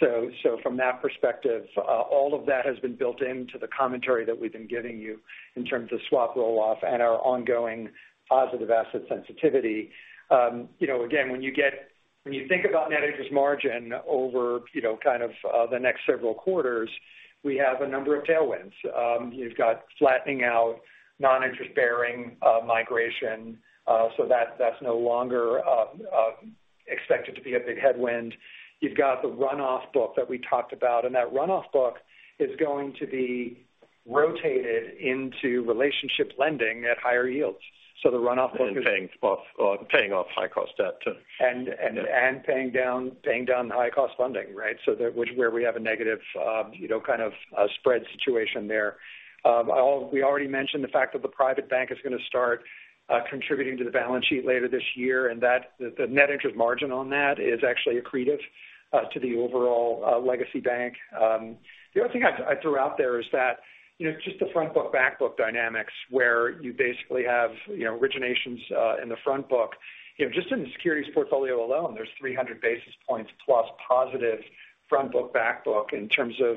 So from that perspective, all of that has been built into the commentary that we've been giving you in terms of swap roll-off and our ongoing positive asset sensitivity. You know, again, when you think about net interest margin over, you know, kind of, the next several quarters, we have a number of tailwinds. You've got flattening out, non-interest bearing migration. So that's no longer expected to be a big headwind. You've got the run-off book that we talked about, and that run-off book is going to be rotated into relationship lending at higher yields. The run-off book. paying off high cost debt, too. Paying down high cost funding, right? That which where we have a negative, you know, kind of spread situation there. We already mentioned the fact that the private bank is going to start contributing to the balance sheet later this year, and that the net interest margin on that is actually accretive to the overall legacy bank. The other thing I threw out there is that, you know, just the front book, back book dynamics, where you basically have, you know, originations in the front book. You know, just in the securities portfolio alone, there's 300+ basis points positive front book, back book in terms of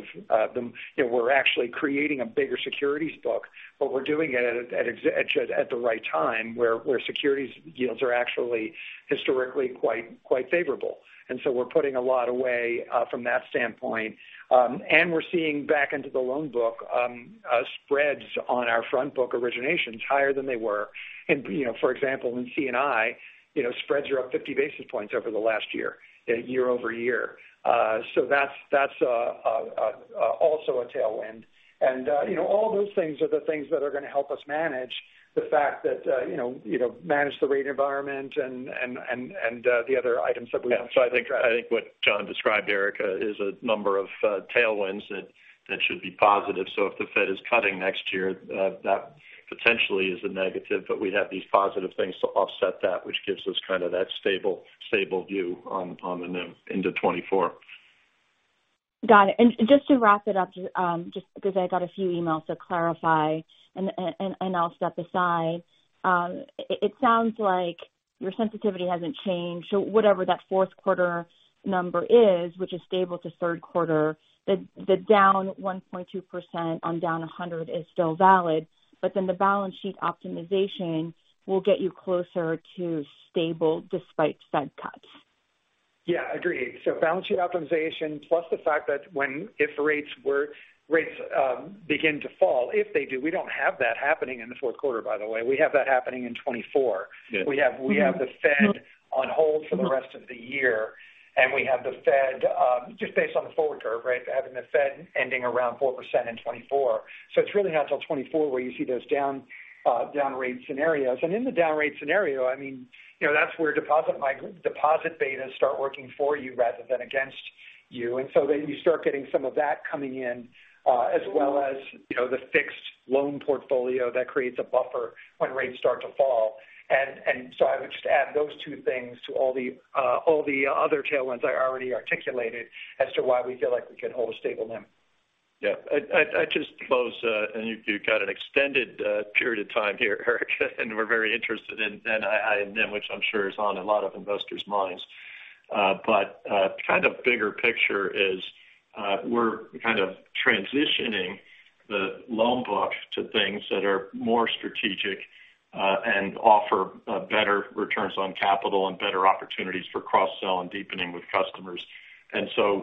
the... You know, we're actually creating a bigger securities book. We're doing it at the right time, where securities yields are actually historically quite favorable. We're putting a lot away from that standpoint. We're seeing back into the loan book, spreads on our front book originations higher than they were. You know, for example, in C&I, you know, spreads are up 50 basis points over the last year-over-year. That's also a tailwind. You know, all those things are the things that are going to help us manage the fact that, you know, manage the rate environment and the other items that we have. I think what John described, Erika Najarian, is a number of tailwinds that should be positive. If the Fed is cutting next year, that potentially is a negative, but we have these positive things to offset that, which gives us kind of that stable view on the NIM into 2024. Got it. Just to wrap it up, just because I got a few emails to clarify, and I'll step aside. It sounds like your sensitivity hasn't changed. Whatever that fourth quarter number is, which is stable to third quarter, the down 1.2% on down 100 is still valid, but then the balance sheet optimization will get you closer to stable despite Fed cuts? Yeah, I agree. Balance sheet optimization, plus the fact that if rates begin to fall, if they do, we don't have that happening in the fourth quarter, by the way. We have that happening in 2024. We have the Fed on hold for the rest of the year, we have the Fed, just based on the forward curve, right? Having the Fed ending around 4% in 2024. It's really not till 2024 where you see those down rate scenarios. In the down rate scenario, I mean, you know, that's where deposit betas start working for you rather than against you. you start getting some of that coming in, as well as, you know, the fixed loan portfolio that creates a buffer when rates start to fall. I would just add those two things to all the other tailwinds I already articulated as to why we feel like we can hold a stable NIM. Yeah. I'd just close, and you've got an extended period of time here, Eric, and we're very interested in NIM, which I'm sure is on a lot of investors' minds. Kind of bigger picture is, we're kind of transitioning the loan book to things that are more strategic and offer better returns on capital and better opportunities for cross-sell and deepening with customers.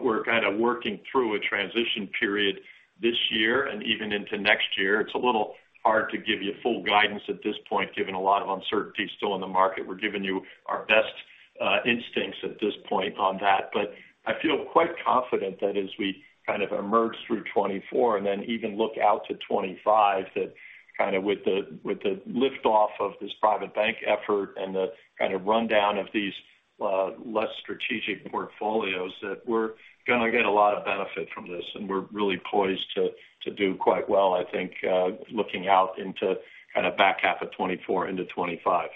We're kind of working through a transition period this year and even into next year. It's a little hard to give you full guidance at this point, given a lot of uncertainty still in the market. We're giving you our best instincts at this point on that. I feel quite confident that as we kind of emerge through 2024 and then even look out to 2025, that kind of with the lift off of this private bank effort and the kind of rundown of these less strategic portfolios, that we're gonna get a lot of benefit from this, and we're really poised to do quite well, I think, looking out into kind of back half of 2024 into 2025.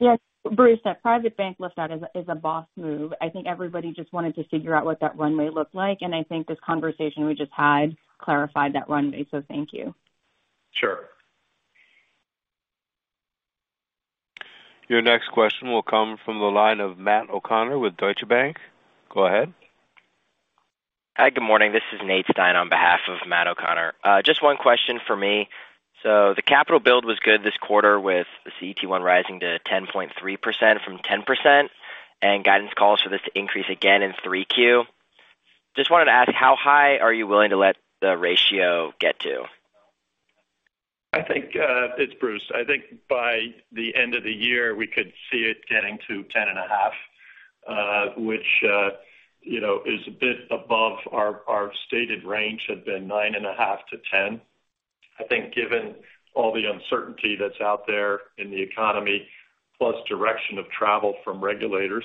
Yes, Bruce, that private bank lift out is a boss move. I think everybody just wanted to figure out what that runway looked like, and I think this conversation we just had clarified that runway. Thank you. Sure. Your next question will come from the line of Matt O'Connor with Deutsche Bank. Go ahead. Hi, good morning. This is Nathan Stein on behalf of Matt O'Connor. Just one question for me. The capital build was good this quarter with CET1 rising to 10.3% from 10%, and guidance calls for this to increase again in three Q. Just wanted to ask, how high are you willing to let the ratio get to? I think, it's Bruce. I think by the end of the year, we could see it getting to 10.5, which, you know, is a bit above our stated range had been 9.5-10. I think given all the uncertainty that's out there in the economy, plus direction of travel from regulators,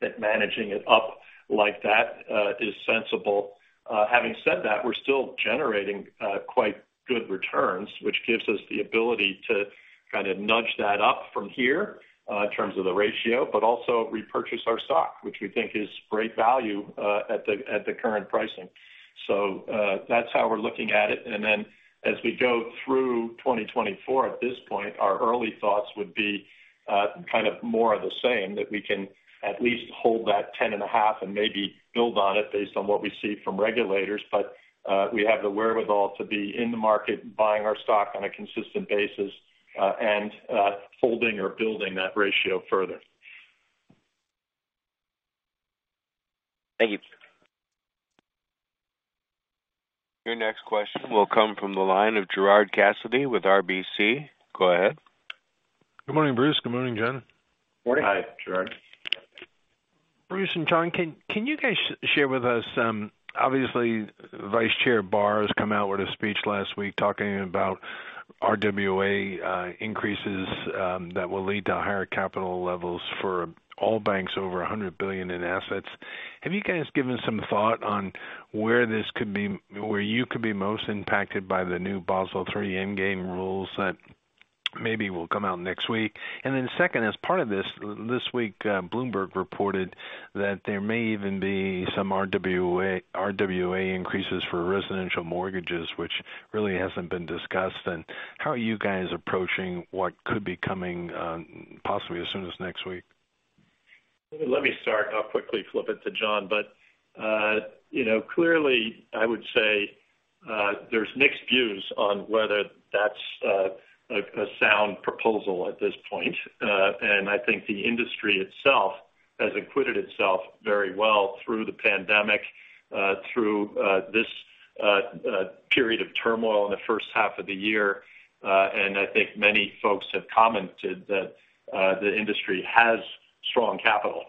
that managing it up like that, is sensible. Having said that, we're still generating, quite good returns, which gives us the ability to kind of nudge that up from here, in terms of the ratio, but also repurchase our stock, which we think is great value, at the, at the current pricing. That's how we're looking at it. As we go through 2024, at this point, our early thoughts would be, kind of more of the same, that we can at least hold that 10.5 and maybe build on it based on what we see from regulators. We have the wherewithal to be in the market, buying our stock on a consistent basis, and holding or building that ratio further. Thank you. Your next question will come from the line of Gerard Cassidy with RBC. Go ahead. Good morning, Bruce. Good morning, John. Morning. Hi, Gerard. Bruce and John, can you guys share with us, obviously, Vice Chair Barr has come out with a speech last week talking about RWA increases, that will lead to higher capital levels for all banks over 100 billion in assets. Have you guys given some thought on where you could be most impacted by the new Basel III endgame rules that maybe will come out next week? Second, as part of this week, Bloomberg reported that there may even be some RWA increases for residential mortgages, which really hasn't been discussed. How are you guys approaching what could be coming, possibly as soon as next week? Let me start, and I'll quickly flip it to John. You know, clearly, I would say, there's mixed views on whether that's a sound proposal at this point. I think the industry itself has acquitted itself very well through the pandemic, through this period of turmoil in the first half of the year. I think many folks have commented that the industry has strong capital.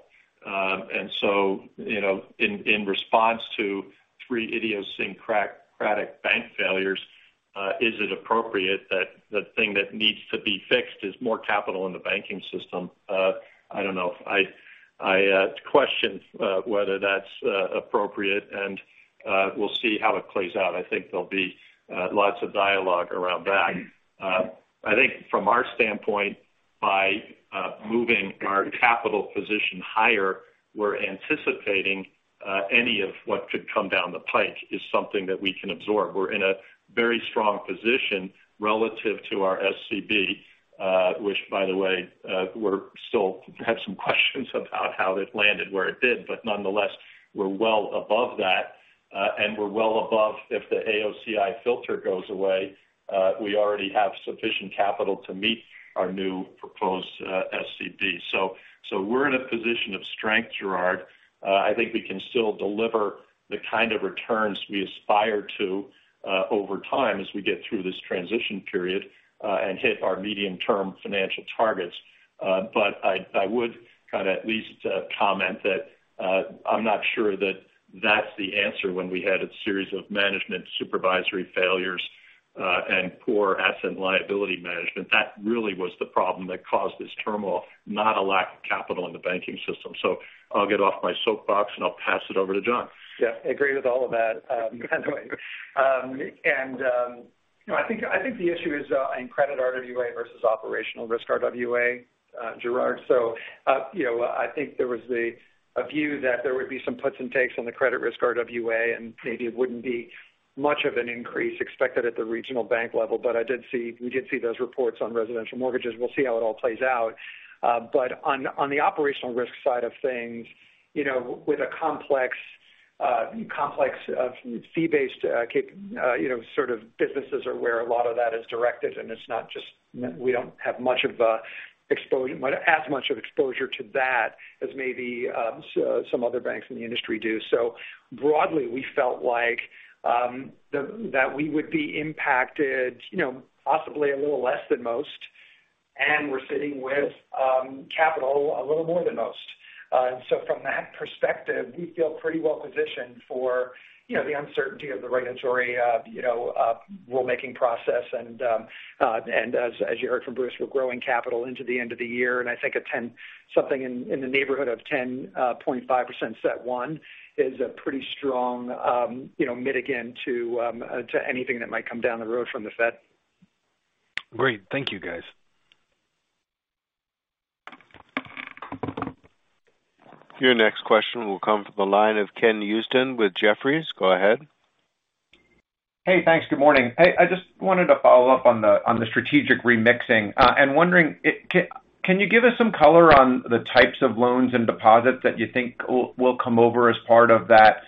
You know, in response to three idiosyncratic bank failures, is it appropriate that the thing that needs to be fixed is more capital in the banking system? I don't know. I question whether that's appropriate, and we'll see how it plays out. I think there'll be lots of dialogue around that. I think from our standpoint, by moving our capital position higher, we're anticipating any of what could come down the pike is something that we can absorb. We're in a very strong position relative to our SCB, which, by the way, we're still have some questions about how it landed, where it did. Nonetheless, we're well above that. We're well above if the AOCI filter goes away, we already have sufficient capital to meet our new proposed SCB. We're in a position of strength, Gerard. I think we can still deliver the kind of returns we aspire to, over time as we get through this transition period, and hit our medium-term financial targets. But I would kind of at least comment that, I'm not sure that that's the answer when we had a series of management supervisory failures, and poor asset and liability management. That really was the problem that caused this turmoil, not a lack of capital in the banking system. I'll get off my soapbox and I'll pass it over to John. Yeah, I agree with all of that. Anyway, you know, I think the issue is in credit RWA versus operational risk RWA, Gerard. You know, I think there was a view that there would be some puts and takes on the credit risk RWA, and maybe it wouldn't be much of an increase expected at the regional bank level. We did see those reports on residential mortgages. We'll see how it all plays out. On, on the operational risk side of things, you know, with a complex of fee-based, you know, sort of businesses are where a lot of that is directed, and we don't have much of exposure to that as maybe, so some other banks in the industry do. Broadly, we felt like, that we would be impacted, you know, possibly a little less than most, and we're sitting with, capital a little more than most. From that perspective, we feel pretty well positioned for, you know, the uncertainty of the regulatory, you know, rulemaking process. As you heard from Bruce, we're growing capital into the end of the year, and I think something in the neighborhood of 10.5% CET1 is a pretty strong, you know, mitigant to anything that might come down the road from the Fed. Great. Thank you, guys. Your next question will come from the line of Ken Usdin with Jefferies. Go ahead. Thanks. Good morning. I just wanted to follow up on the strategic remixing, and wondering can you give us some color on the types of loans and deposits that you think will come over as part of that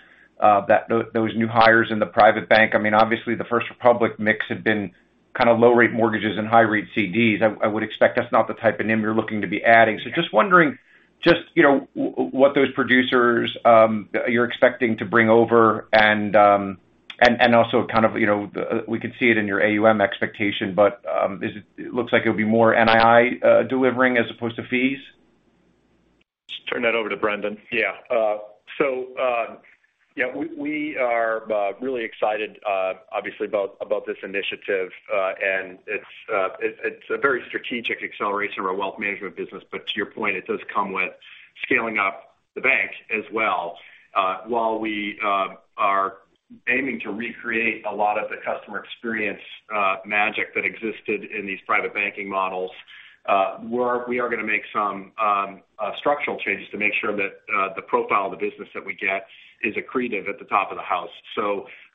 those new hires in the private bank? I mean, obviously the First Republic mix had been kind of low rate mortgages and high rate CDs. I would expect that's not the type of NIM you're looking to be adding. Just wondering just, you know, what those producers you're expecting to bring over and also kind of, you know, we could see it in your AUM expectation, but, is it looks like it'll be more NII delivering as opposed to fees? Just turn that over to Brendan. Yeah. Yeah, we are really excited obviously about this initiative and it's a very strategic acceleration of our wealth management business. To your point, it does come with scaling up the bank as well. While we are aiming to recreate a lot of the customer experience magic that existed in these private banking models, we are gonna make some structural changes to make sure that the profile of the business that we get is accretive at the top of the house.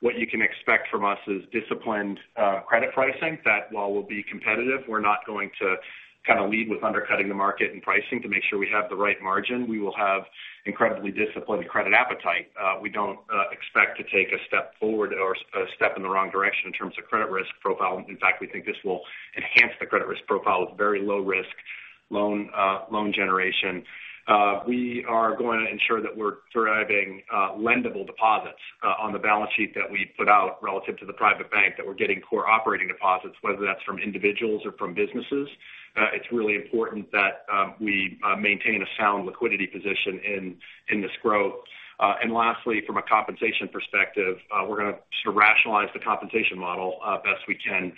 What you can expect from us is disciplined credit pricing, that while we'll be competitive, we're not going to kind of lead with undercutting the market and pricing to make sure we have the right margin. We will have incredibly disciplined credit appetite. We don't expect to take a step forward or a step in the wrong direction in terms of credit risk profile. In fact, we think this will enhance the credit risk profile with very low risk loan loan generation. We are going to ensure that we're driving lendable deposits on the balance sheet that we put out relative to the private bank, that we're getting core operating deposits, whether that's from individuals or from businesses. It's really important that we maintain a sound liquidity position in this growth. Lastly, from a compensation perspective, we're gonna sort of rationalize the compensation model, best we can,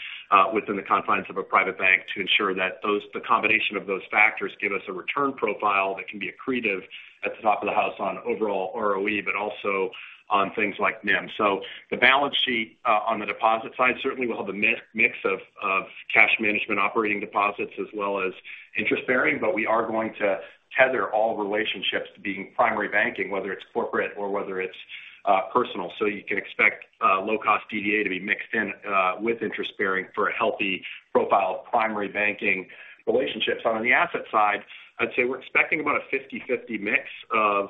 within the confines of a private bank, to ensure that the combination of those factors give us a return profile that can be accretive at the top of the house on overall ROE, but also on things like NIM. The balance sheet, on the deposit side, certainly we'll have a mix of cash management operating deposits as well as interest-bearing, but we are going to tether all relationships to being primary banking, whether it's corporate or whether it's personal. You can expect low cost DDA to be mixed in with interest bearing for a healthy profile of primary banking relationships. On the asset side, I'd say we're expecting about a 50/50 mix of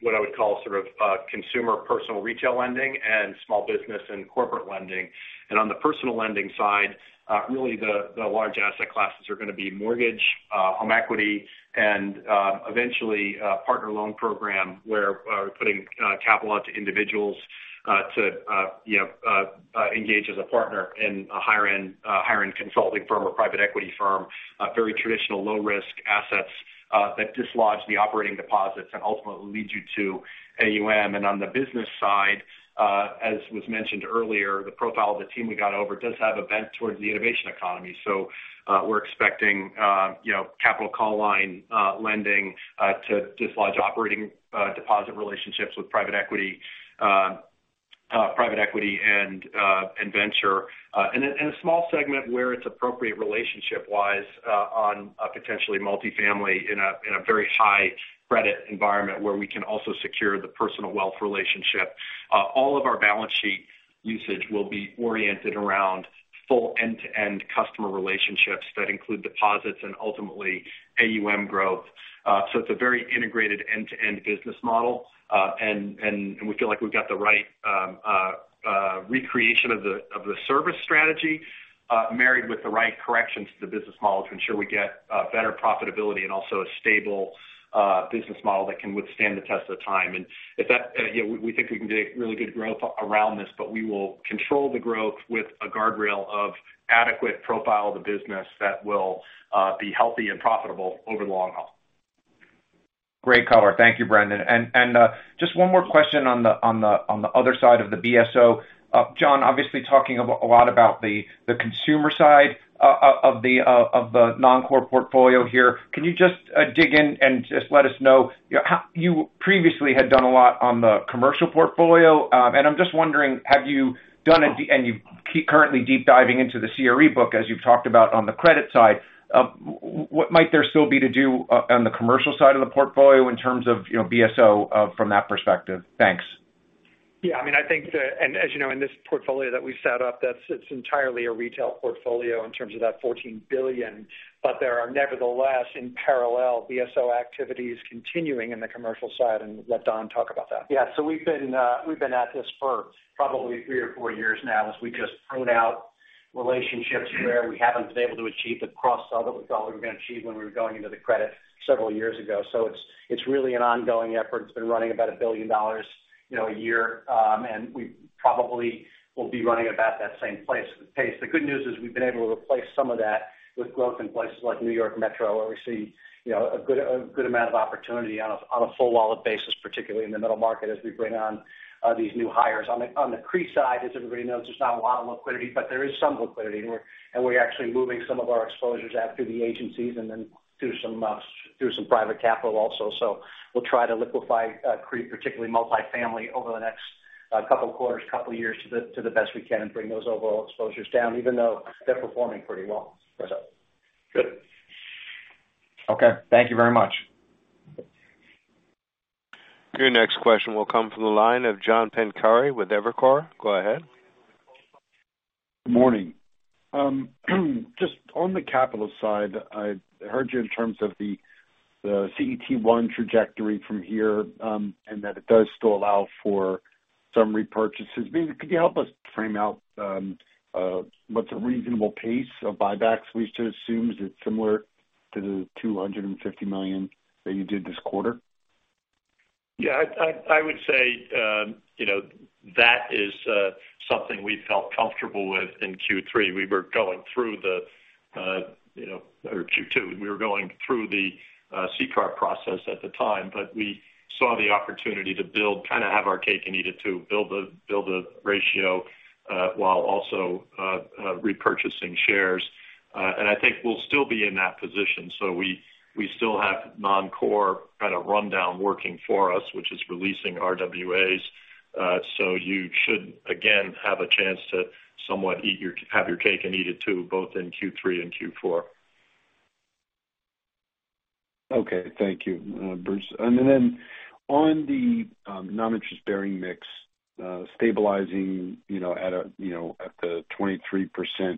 what I would call sort of consumer personal retail lending and small business and corporate lending. On the personal lending side, really the large asset classes are gonna be mortgage, home equity, and eventually partner loan program, where we're putting capital out to individuals to, you know, engage as a partner in a higher end, higher end consulting firm or private equity firm. Very traditional low risk assets that dislodge the operating deposits and ultimately lead you to AUM. On the business side, as was mentioned earlier, the profile of the team we got over does have a bent towards the innovation economy. We're expecting, you know, capital call line lending to dislodge operating deposit relationships with private equity, private equity and venture, and a small segment where it's appropriate relationship wise, on a potentially multifamily in a very high credit environment where we can also secure the personal wealth relationship. All of our balance sheet usage will be oriented around full end-to-end customer relationships that include deposits and ultimately AUM growth. It's a very integrated end-to-end business model. And we feel like we've got the right recreation of the service strategy, married with the right corrections to the business model to ensure we get better profitability and also a stable business model that can withstand the test of time. Yeah, we think we can get really good growth around this, but we will control the growth with a guardrail of adequate profile of the business that will be healthy and profitable over the long haul. Great color. Thank you, Brendan. Just one more question on the other side of the BSO. John, obviously talking a lot about the consumer side of the non-core portfolio here. Can you just dig in and just let us know, you know, how you previously had done a lot on the commercial portfolio? I'm just wondering, have you done it and you keep currently deep diving into the CRE book, as you've talked about on the credit side, what might there still be to do on the commercial side of the portfolio in terms of, you know, BSO from that perspective? Thanks. Yeah, I mean, I think the. As you know, in this portfolio that we've set up, that's entirely a retail portfolio in terms of that $14 billion. There are nevertheless, in parallel, BSO activities continuing in the commercial side, and let Don talk about that. We've been at this for probably three or four years now, as we just prune out relationships where we haven't been able to achieve the cross-sell that we thought we were going to achieve when we were going into the credit several years ago. It's really an ongoing effort. It's been running about $1 billion, you know, a year. We probably will be running about that same pace. The good news is we've been able to replace some of that with growth in places like New York Metro, where we see, you know, a good amount of opportunity on a, on a full wallet basis, particularly in the middle market, as we bring on these new hires. On the CRE side, as everybody knows, there's not a lot of liquidity, but there is some liquidity, and we're actually moving some of our exposures out through the agencies and then through some private capital also. We'll try to liquefy CRE, particularly multifamily, over the next couple of quarters, couple of years, to the best we can and bring those overall exposures down, even though they're performing pretty well. Good. Okay, thank you very much. Your next question will come from the line of John Pancari with Evercore. Go ahead. Good morning. Just on the capital side, I heard you in terms of the CET1 trajectory from here, and that it does still allow for some repurchases. Maybe could you help us frame out what's a reasonable pace of buybacks? We used to assume that it's similar to the $250 million that you did this quarter. Yeah, I would say, you know, that is something we felt comfortable with in Q3. We were going through the, you know, or Q2, we were going through the CCAR process at the time, but we saw the opportunity to build, kind of have our cake and eat it too. Build a ratio, while also repurchasing shares. I think we'll still be in that position. We still have non-core kind of rundown working for us, which is releasing RWAs. You should again, have a chance to somewhat have your cake and eat it too, both in Q3 and Q4. Okay. Thank you, Bruce. On the non-interest bearing mix, stabilizing, you know, at a, you know, at the 23%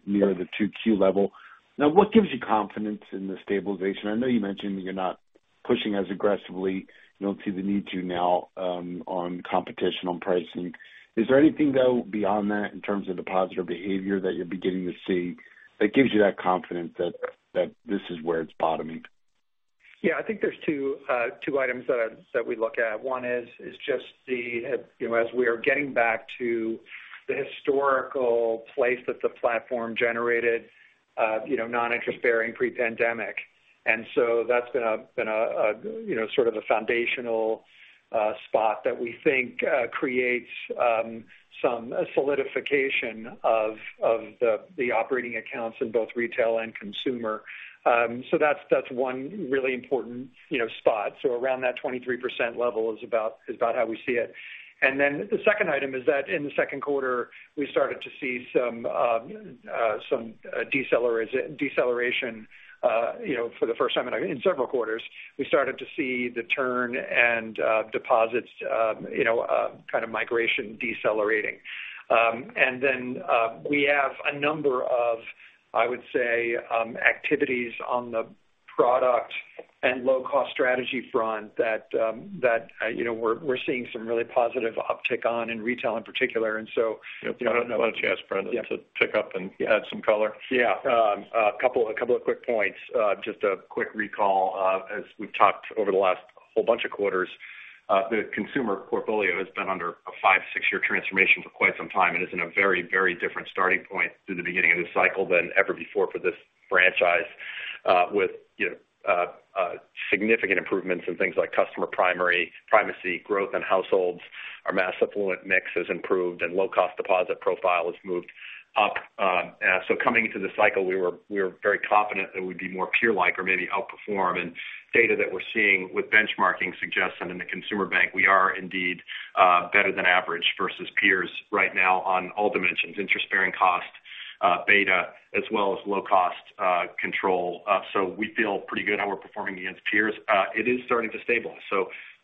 near the 2Q level. What gives you confidence in the stabilization? I know you mentioned you're not pushing as aggressively, you don't see the need to now, on competition, on pricing. Is there anything, though, beyond that in terms of the positive behavior that you're beginning to see that gives you that confidence that this is where it's bottoming? Yeah, I think there's two items that we look at. One is just the, you know, as we are getting back to the historical place that the platform generated, you know, non-interest bearing CRE-pandemic. That's been a, you know, sort of a foundational spot that we think creates some solidification of the operating accounts in both retail and consumer. That's one really important, you know, spot. Around that 23% level is about how we see it. The second item is that in the second quarter, we started to see some deceleration, you know, for the first time in several quarters, we started to see the turn and deposits, you know, kind of migration decelerating. We have a number of, I would say, activities on the product and low-cost strategy front that, you know, we're seeing some really positive uptick on in retail in particular. Why don't you ask Brendan to pick up and add some color? Yeah. A couple of quick points. Just a quick recall. As we've talked over the last whole bunch of quarters, the consumer portfolio has been under a 5-6-year transformation for quite some time and is in a very, very different starting point through the beginning of this cycle than ever before for this franchise. With, you know, significant improvements in things like customer primary, primacy, growth in households. Our mass affluent mix has improved and low-cost deposit profile has moved up. Coming into the cycle, we were very confident that we'd be more peer-like or maybe outperform. Data that we're seeing with benchmarking suggests that in the consumer bank, we are indeed better than average versus peers right now on all dimensions, interest-bearing cost, beta, as well as low cost control. We feel pretty good how we're performing against peers. It is starting to stabilize.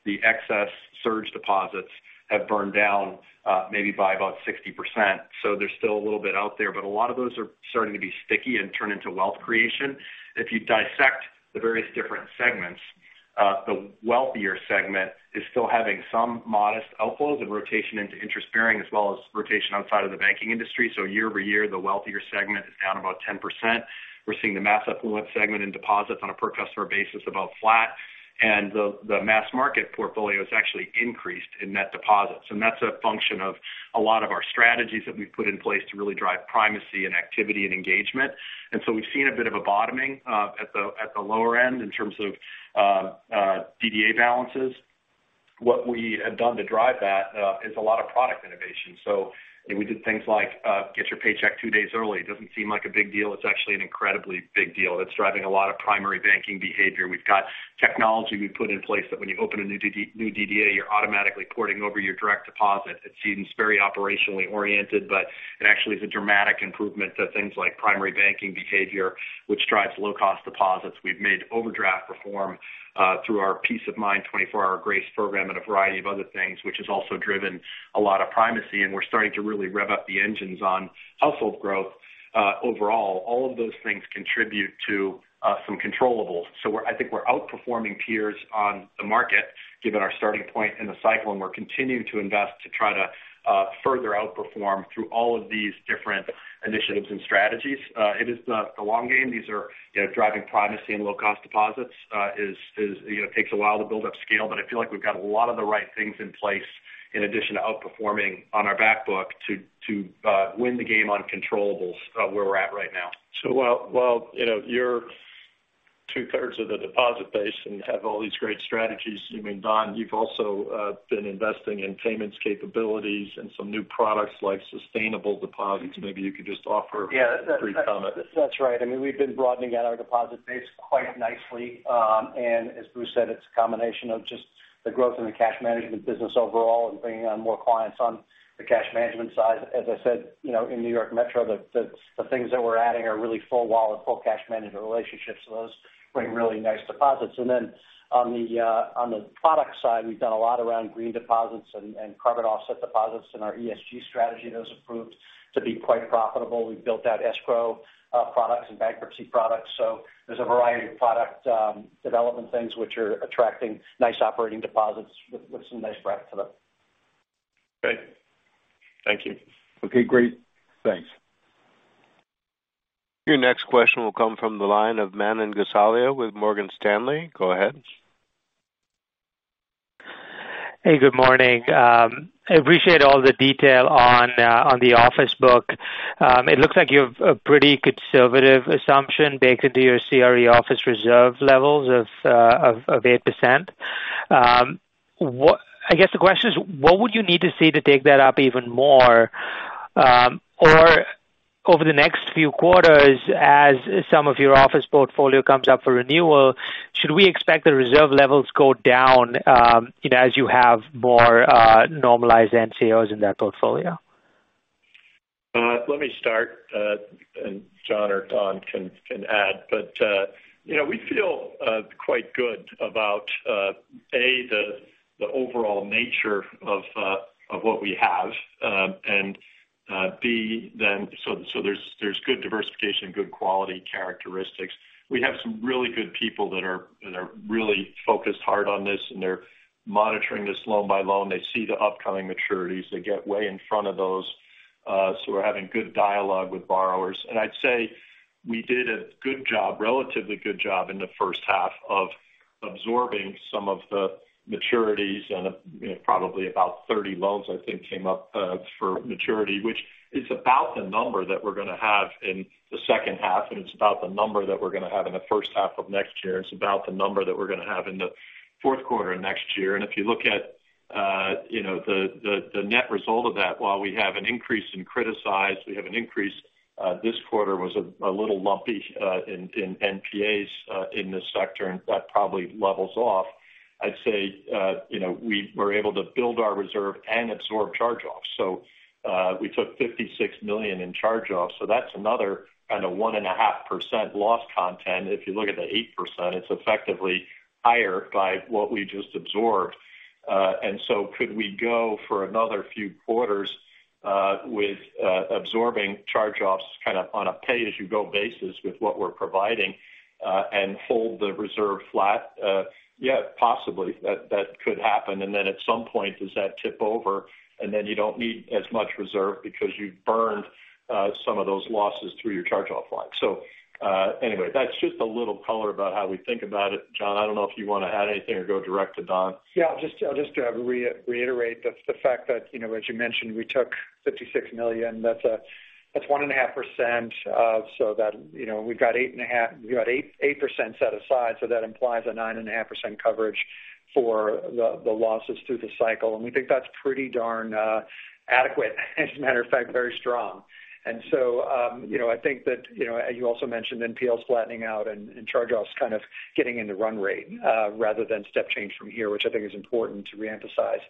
The excess surge deposits have burned down, maybe by about 60%. There's still a little bit out there, but a lot of those are starting to be sticky and turn into wealth creation. If you dissect the various different segments, the wealthier segment is still having some modest outflows and rotation into interest bearing, as well as rotation outside of the banking industry. Year-over-year, the wealthier segment is down about 10%. We're seeing the mass affluent segment in deposits on a per customer basis about flat, and the mass market portfolio has actually increased in net deposits. That's a function of a lot of our strategies that we've put in place to really drive primacy and activity and engagement. We've seen a bit of a bottoming at the lower end in terms of DDA balances. What we have done to drive that is a lot of product innovation. We did things like get your paycheck 2 days early. It doesn't seem like a big deal. It's actually an incredibly big deal. It's driving a lot of primary banking behavior. We've got technology we put in place that when you open a new DDA, you're automatically porting over your direct deposit. It seems very operationally oriented, but it actually is a dramatic improvement to things like primary banking behavior, which drives low cost deposits. We've made overdraft reform through our Peace of Mind 24-hour grace program and a variety of other things, which has also driven a lot of primacy. We're starting to really rev up the engines on household growth. Overall, all of those things contribute to some controllables. I think we're outperforming peers on the market, given our starting point in the cycle, and we're continuing to invest to try to further outperform through all of these different initiatives and strategies. It is the long game. These are, you know, driving primacy and low cost deposits, is, you know, takes a while to build up scale, but I feel like we've got a lot of the right things in place in addition to outperforming on our back book to win the game on controllables, where we're at right now. While, you know, you're two-thirds of the deposit base and have all these great strategies, I mean, Don, you've also been investing in payments capabilities and some new products like sustainable deposits. Maybe you could just offer a brief comment. Yeah, that's right. I mean, we've been broadening out our deposit base quite nicely. As Bruce said, it's a combination of just the growth in the cash management business overall and bringing on more clients on the cash management side. As I said, you know, in New York Metro, the things that we're adding are really full wallet, full cash management relationships. Those bring really nice deposits. On the product side, we've done a lot around green deposits and carbon offset deposits in our ESG strategy. Those have proved to be quite profitable. We've built out escrow products and bankruptcy products. There's a variety of product development things which are attracting nice operating deposits with some nice breadth to them. Great. Thank you. Okay, great. Thanks. Your next question will come from the line of Manan Gosalia with Morgan Stanley. Go ahead. Hey, good morning. I appreciate all the detail on the office book. It looks like you have a pretty conservative assumption baked into your CRE office reserve levels of 8%. I guess the question is, what would you need to see to take that up even more? Or over the next few quarters, as some of your office portfolio comes up for renewal, should we expect the reserve levels go down, you know, as you have more normalized NCOs in that portfolio? Let me start, John or Don can add. You know, we feel quite good about A, the overall nature of what we have, and B, then so there's good diversification, good quality characteristics. We have some really good people that are really focused hard on this, and they're monitoring this loan by loan. They see the upcoming maturities. They get way in front of those. We're having good dialogue with borrowers. I'd say we did a good job, relatively good job in the first half of absorbing some of the maturities, you know, probably about 30 loans, I think, came up for maturity, which is about the number that we're going to have in the second half, and it's about the number that we're going to have in the first half of next year. It's about the number that we're going to have in the fourth quarter of next year. If you look at, you know, the net result of that, while we have an increase in criticized, we have an increase, this quarter was a little lumpy in NPAs in this sector, and that probably levels off. I'd say, you know, we were able to build our reserve and absorb charge-offs. We took $56 million in charge-offs, so that's another kind of 1.5% loss content. If you look at the 8%, it's effectively higher by what we just absorbed. Could we go for another few quarters, with absorbing charge-offs kind of on a pay-as-you-go basis with what we're providing, and hold the reserve flat? Yeah, possibly. That could happen. At some point, does that tip over, and then you don't need as much reserve because you've burned, some of those losses through your charge-off line. Anyway, that's just a little color about how we think about it. John, I don't know if you want to add anything or go direct to Don. Yeah, just to reiterate the fact that, you know, as you mentioned, we took $56 million. That's 1.5%. That, you know, we've got 8% set aside. That implies a 9.5% coverage for the losses through the cycle, and we think that's pretty darn adequate, as a matter of fact, very strong. you know, I think that, you know, you also mentioned NPLs flattening out and charge-offs kind of getting in the run rate rather than step change from here, which I think is important to reemphasize.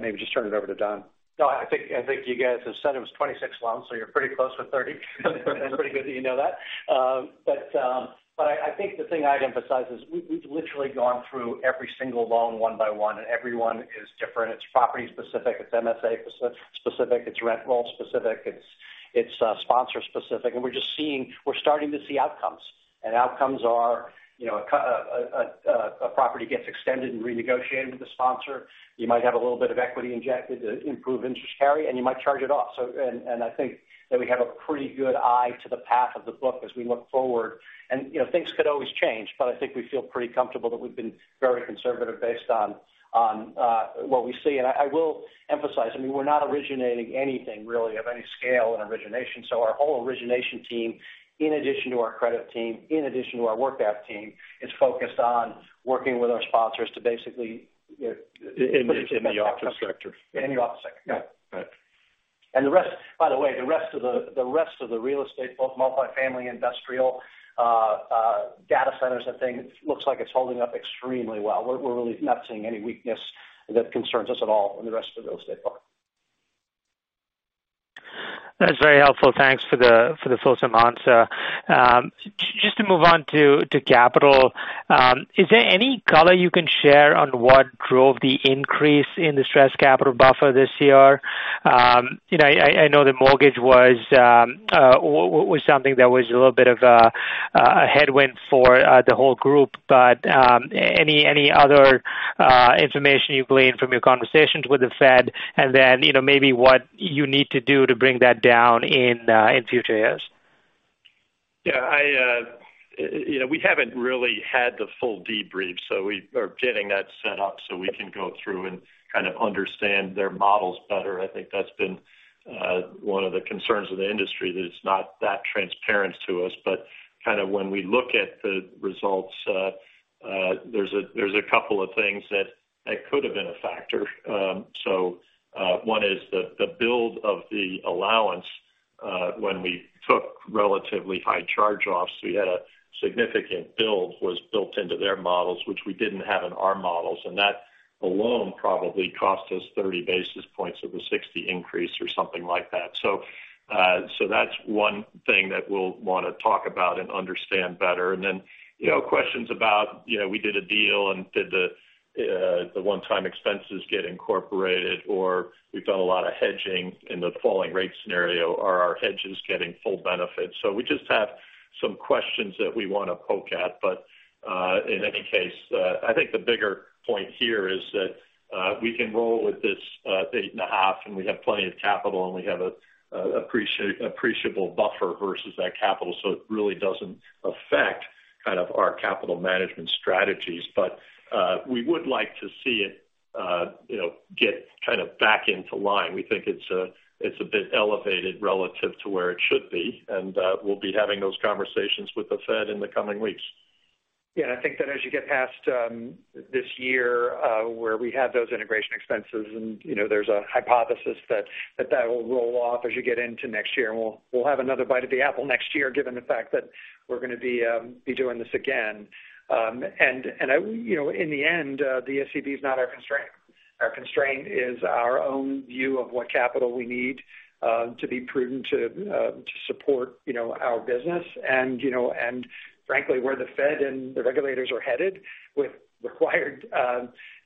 maybe just turn it over to Don. I think you guys have said it was 26 loans, so you're pretty close to 30. It's pretty good that you know that. I think the thing I'd emphasize is we've literally gone through every single loan one by one, and every one is different. It's property specific, it's MSA specific, it's rent roll specific, it's sponsor specific, and we're starting to see outcomes. Outcomes are, you know, a property gets extended and renegotiated with the sponsor. You might have a little bit of equity injected to improve interest carry, and you might charge it off. I think that we have a pretty good eye to the path of the book as we look forward. You know, things could always change, but I think we feel pretty comfortable that we've been very conservative based on what we see. I will emphasize, I mean, we're not originating anything really of any scale in origination. Our whole origination team, in addition to our credit team, in addition to our workout team, is focused on working with our sponsors to basically. In the office sector. In the office sector. Yeah. Right. The rest, by the way, the rest of the real estate, both multifamily, industrial, data centers and things, looks like it's holding up extremely well. We're really not seeing any weakness that concerns us at all in the rest of the real estate part. That's very helpful. Thanks for the, for the full answer. Just to move on to capital. Is there any color you can share on what drove the increase in the stress capital buffer this year? You know, I know the mortgage was something that was a little bit of a headwind for the whole group, but any other information you've gleaned from your conversations with the Fed, and then, you know, maybe what you need to do to bring that down in future years? Yeah, I, you know, we haven't really had the full debrief, so we are getting that set up, so we can go through and kind of understand their models better. I think that's been one of the concerns of the industry, that it's not that transparent to us. Kind of when we look at the results, there's a couple of things that could have been a factor. One is the build of the allowance, when we took relatively high charge-offs, we had a significant build was built into their models, which we didn't have in our models, and that alone probably cost us 30 basis points of the 60 increase or something like that. That's one thing that we'll want to talk about and understand better. You know, questions about, you know, we did a deal and did the one-time expenses get incorporated, or we've done a lot of hedging in the falling rate scenario. Are our hedges getting full benefit? We just have some questions that we want to poke at. In any case, I think the bigger point here is that we can roll with this 8.5, and we have plenty of capital, and we have an appreciable buffer versus that capital, so it really doesn't affect kind of our capital management strategies. We would like to see it, you know, get kind of back into line. We think it's a, it's a bit elevated relative to where it should be, and we'll be having those conversations with the Fed in the coming weeks. Yeah, I think that as you get past this year, where we had those integration expenses and, you know, there's a hypothesis that will roll off as you get into next year. We'll have another bite of the apple next year, given the fact that we're gonna be doing this again. You know, in the end, the SCB is not our constraint. Our constraint is our own view of what capital we need to be prudent to support, you know, our business. You know, and frankly, where the Fed and the regulators are headed with required,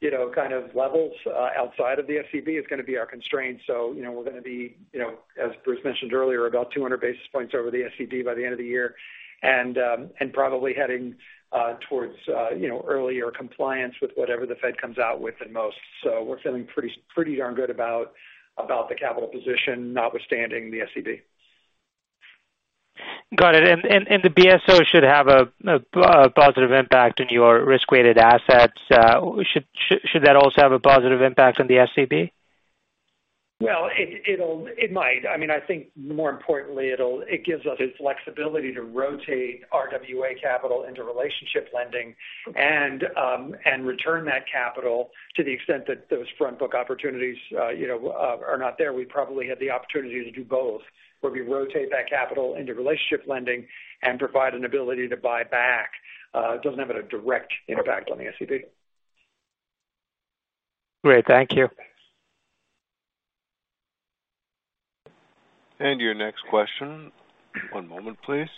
you know, kind of levels outside of the SCB is gonna be our constraint. You know, we're gonna be, you know, as Bruce mentioned earlier, about 200 basis points over the SCB by the end of the year, and probably heading towards, you know, earlier compliance with whatever the Fed comes out with at most. We're feeling pretty darn good about the capital position, notwithstanding the SCB. Got it. The BSO should have a positive impact on your risk-weighted assets. Should that also have a positive impact on the SCB? Well, it might. I mean, I think more importantly, it gives us the flexibility to rotate RWA capital into relationship lending and return that capital to the extent that those front book opportunities, you know, are not there. We probably have the opportunity to do both, where we rotate that capital into relationship lending and provide an ability to buy back. It doesn't have a direct impact on the SCB. Great. Thank you. Your next question. One moment, please.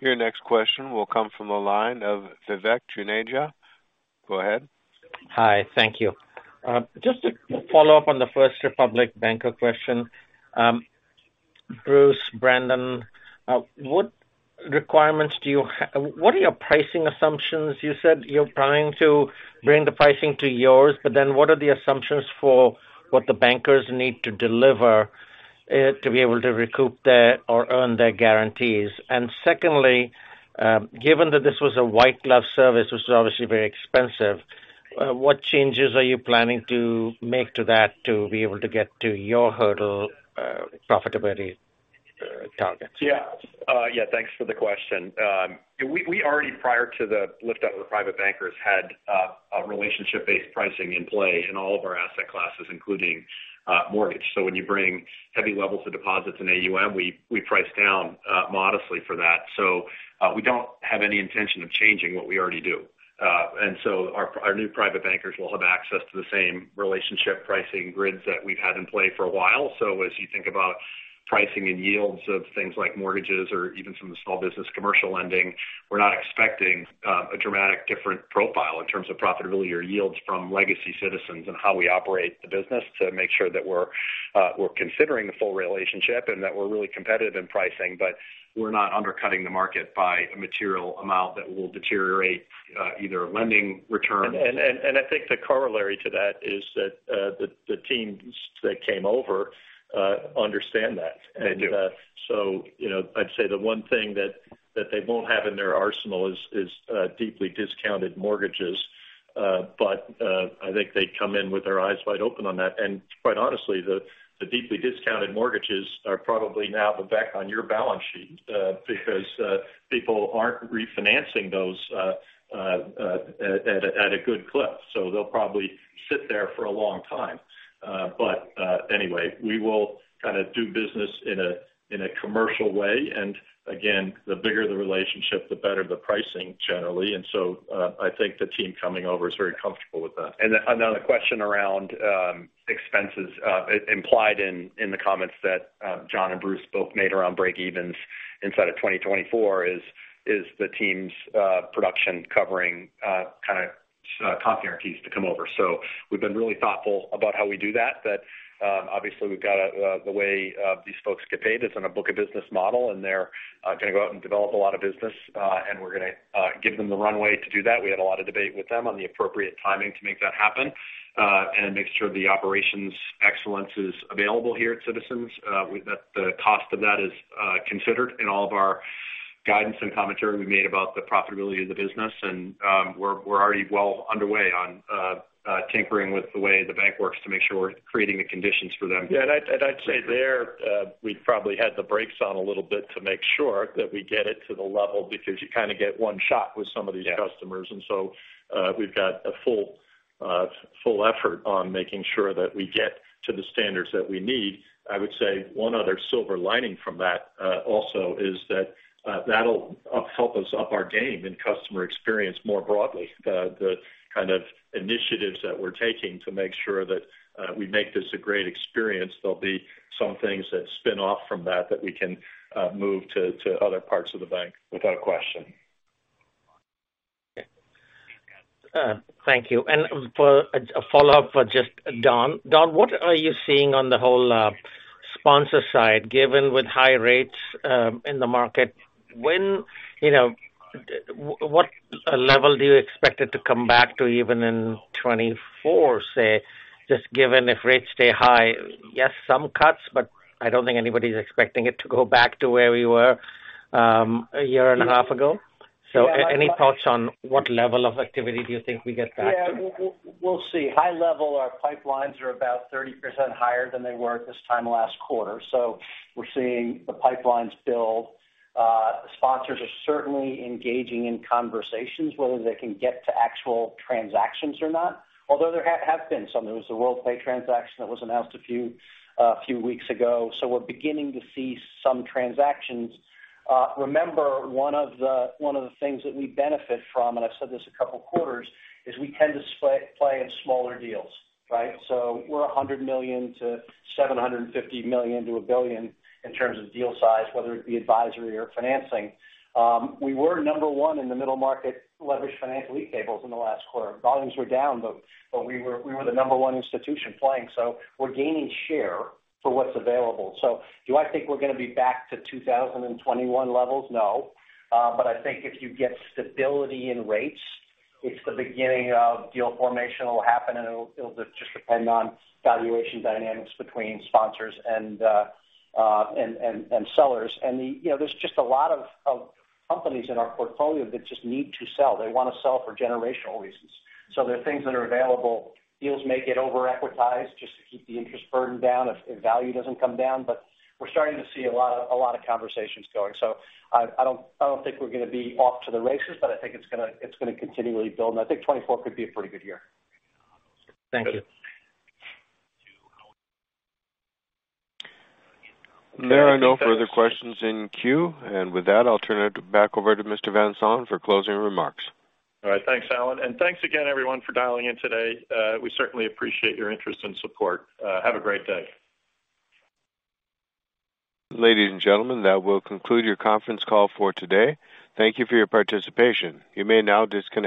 Your next question will come from the line of Vivek Juneja. Go ahead. Hi, thank you. Just to follow up on the First Republic Banker question. Bruce, Brendan, what are your pricing assumptions? You said you're trying to bring the pricing to yours, but then what are the assumptions for what the bankers need to deliver to be able to recoup their or earn their guarantees? Secondly, given that this was a white glove service, which is obviously very expensive, what changes are you planning to make to that to be able to get to your hurdle profitability? Yeah, yeah, thanks for the question. We already, prior to the lift out of the private bankers, had a relationship-based pricing in play in all of our asset classes, including mortgage. When you bring heavy levels of deposits in AUM, we price down modestly for that. We don't have any intention of changing what we already do. Our new private bankers will have access to the same relationship pricing grids that we've had in play for a while. As you think about pricing and yields of things like mortgages or even some of the small business commercial lending, we're not expecting a dramatic different profile in terms of profitability or yields from legacy Citizens and how we operate the business to make sure that we're considering the full relationship and that we're really competitive in pricing. We're not undercutting the market by a material amount that will deteriorate either lending returns. I think the corollary to that is that, the teams that came over, understand that. They do. You know, I'd say the one thing that they won't have in their arsenal is deeply discounted mortgages. I think they come in with their eyes wide open on that. Quite honestly, the deeply discounted mortgages are probably now back on your balance sheet because people aren't refinancing those at a good clip. They'll probably sit there for a long time. Anyway, we will kind of do business in a commercial way, and again, the bigger the relationship, the better the pricing generally. I think the team coming over is very comfortable with that. Another question around expenses implied in the comments that John and Bruce both made around breakevens inside of 2024 is the team's production covering kind of cost guarantees to come over. We've been really thoughtful about how we do that. Obviously, we've got a the way these folks get paid is on a book of business model, and they're gonna go out and develop a lot of business. And we're gonna give them the runway to do that. We had a lot of debate with them on the appropriate timing to make that happen, and make sure the operations excellence is available here at Citizens. That the cost of that is considered in all of our guidance and commentary we made about the profitability of the business. We're already well underway on tinkering with the way the bank works to make sure we're creating the conditions for them. Yeah, I'd say there, we've probably had the brakes on a little bit to make sure that we get it to the level, because you kind of get one shot with some of these customers. Yeah. We've got a full effort on making sure that we get to the standards that we need. I would say one other silver lining from that also is that that'll help us up our game in customer experience more broadly. The kind of initiatives that we're taking to make sure that we make this a great experience. There'll be some things that spin off from that that we can move to other parts of the bank. Without a question. Thank you. For a follow-up for just Don. Don, what are you seeing on the whole sponsor side, given with high rates in the market? When you know, what level do you expect it to come back to even in 2024, say, just given if rates stay high? Yes, some cuts, but I don't think anybody's expecting it to go back to where we were a year and a half ago. Any thoughts on what level of activity do you think we get back to? Yeah, we'll see. High level, our pipelines are about 30% higher than they were at this time last quarter. We're seeing the pipelines build. Sponsors are certainly engaging in conversations, whether they can get to actual transactions or not, although there have been some. There was a Worldpay transaction that was announced a few weeks ago, so we're beginning to see some transactions. Remember, one of the, one of the things that we benefit from, and I've said this a couple of quarters, is we tend to play in smaller deals, right? We're $100 million to $750 million to $1 billion in terms of deal size, whether it be advisory or financing. We were number one in the middle market leveraged finance lead tables in the last quarter. Volumes were down, but we were the number one institution playing, so we're gaining share for what's available. Do I think we're gonna be back to 2021 levels? No. But I think if you get stability in rates, it's the beginning of deal formation will happen, and it'll just depend on valuation dynamics between sponsors and sellers. You know, there's just a lot of companies in our portfolio that just need to sell. They want to sell for generational reasons. There are things that are available. Deals may get overequitized just to keep the interest burden down if value doesn't come down. We're starting to see a lot of conversations going. I don't think we're gonna be off to the races, but I think it's gonna continually build, and I think 2024 could be a pretty good year. Thank you. There are no further questions in queue. With that, I'll turn it back over to Mr. Van Saun for closing remarks. All right. Thanks, Alan, and thanks again, everyone, for dialing in today. We certainly appreciate your interest and support. Have a great day. Ladies and gentlemen, that will conclude your conference call for today. Thank you for your participation. You may now disconnect.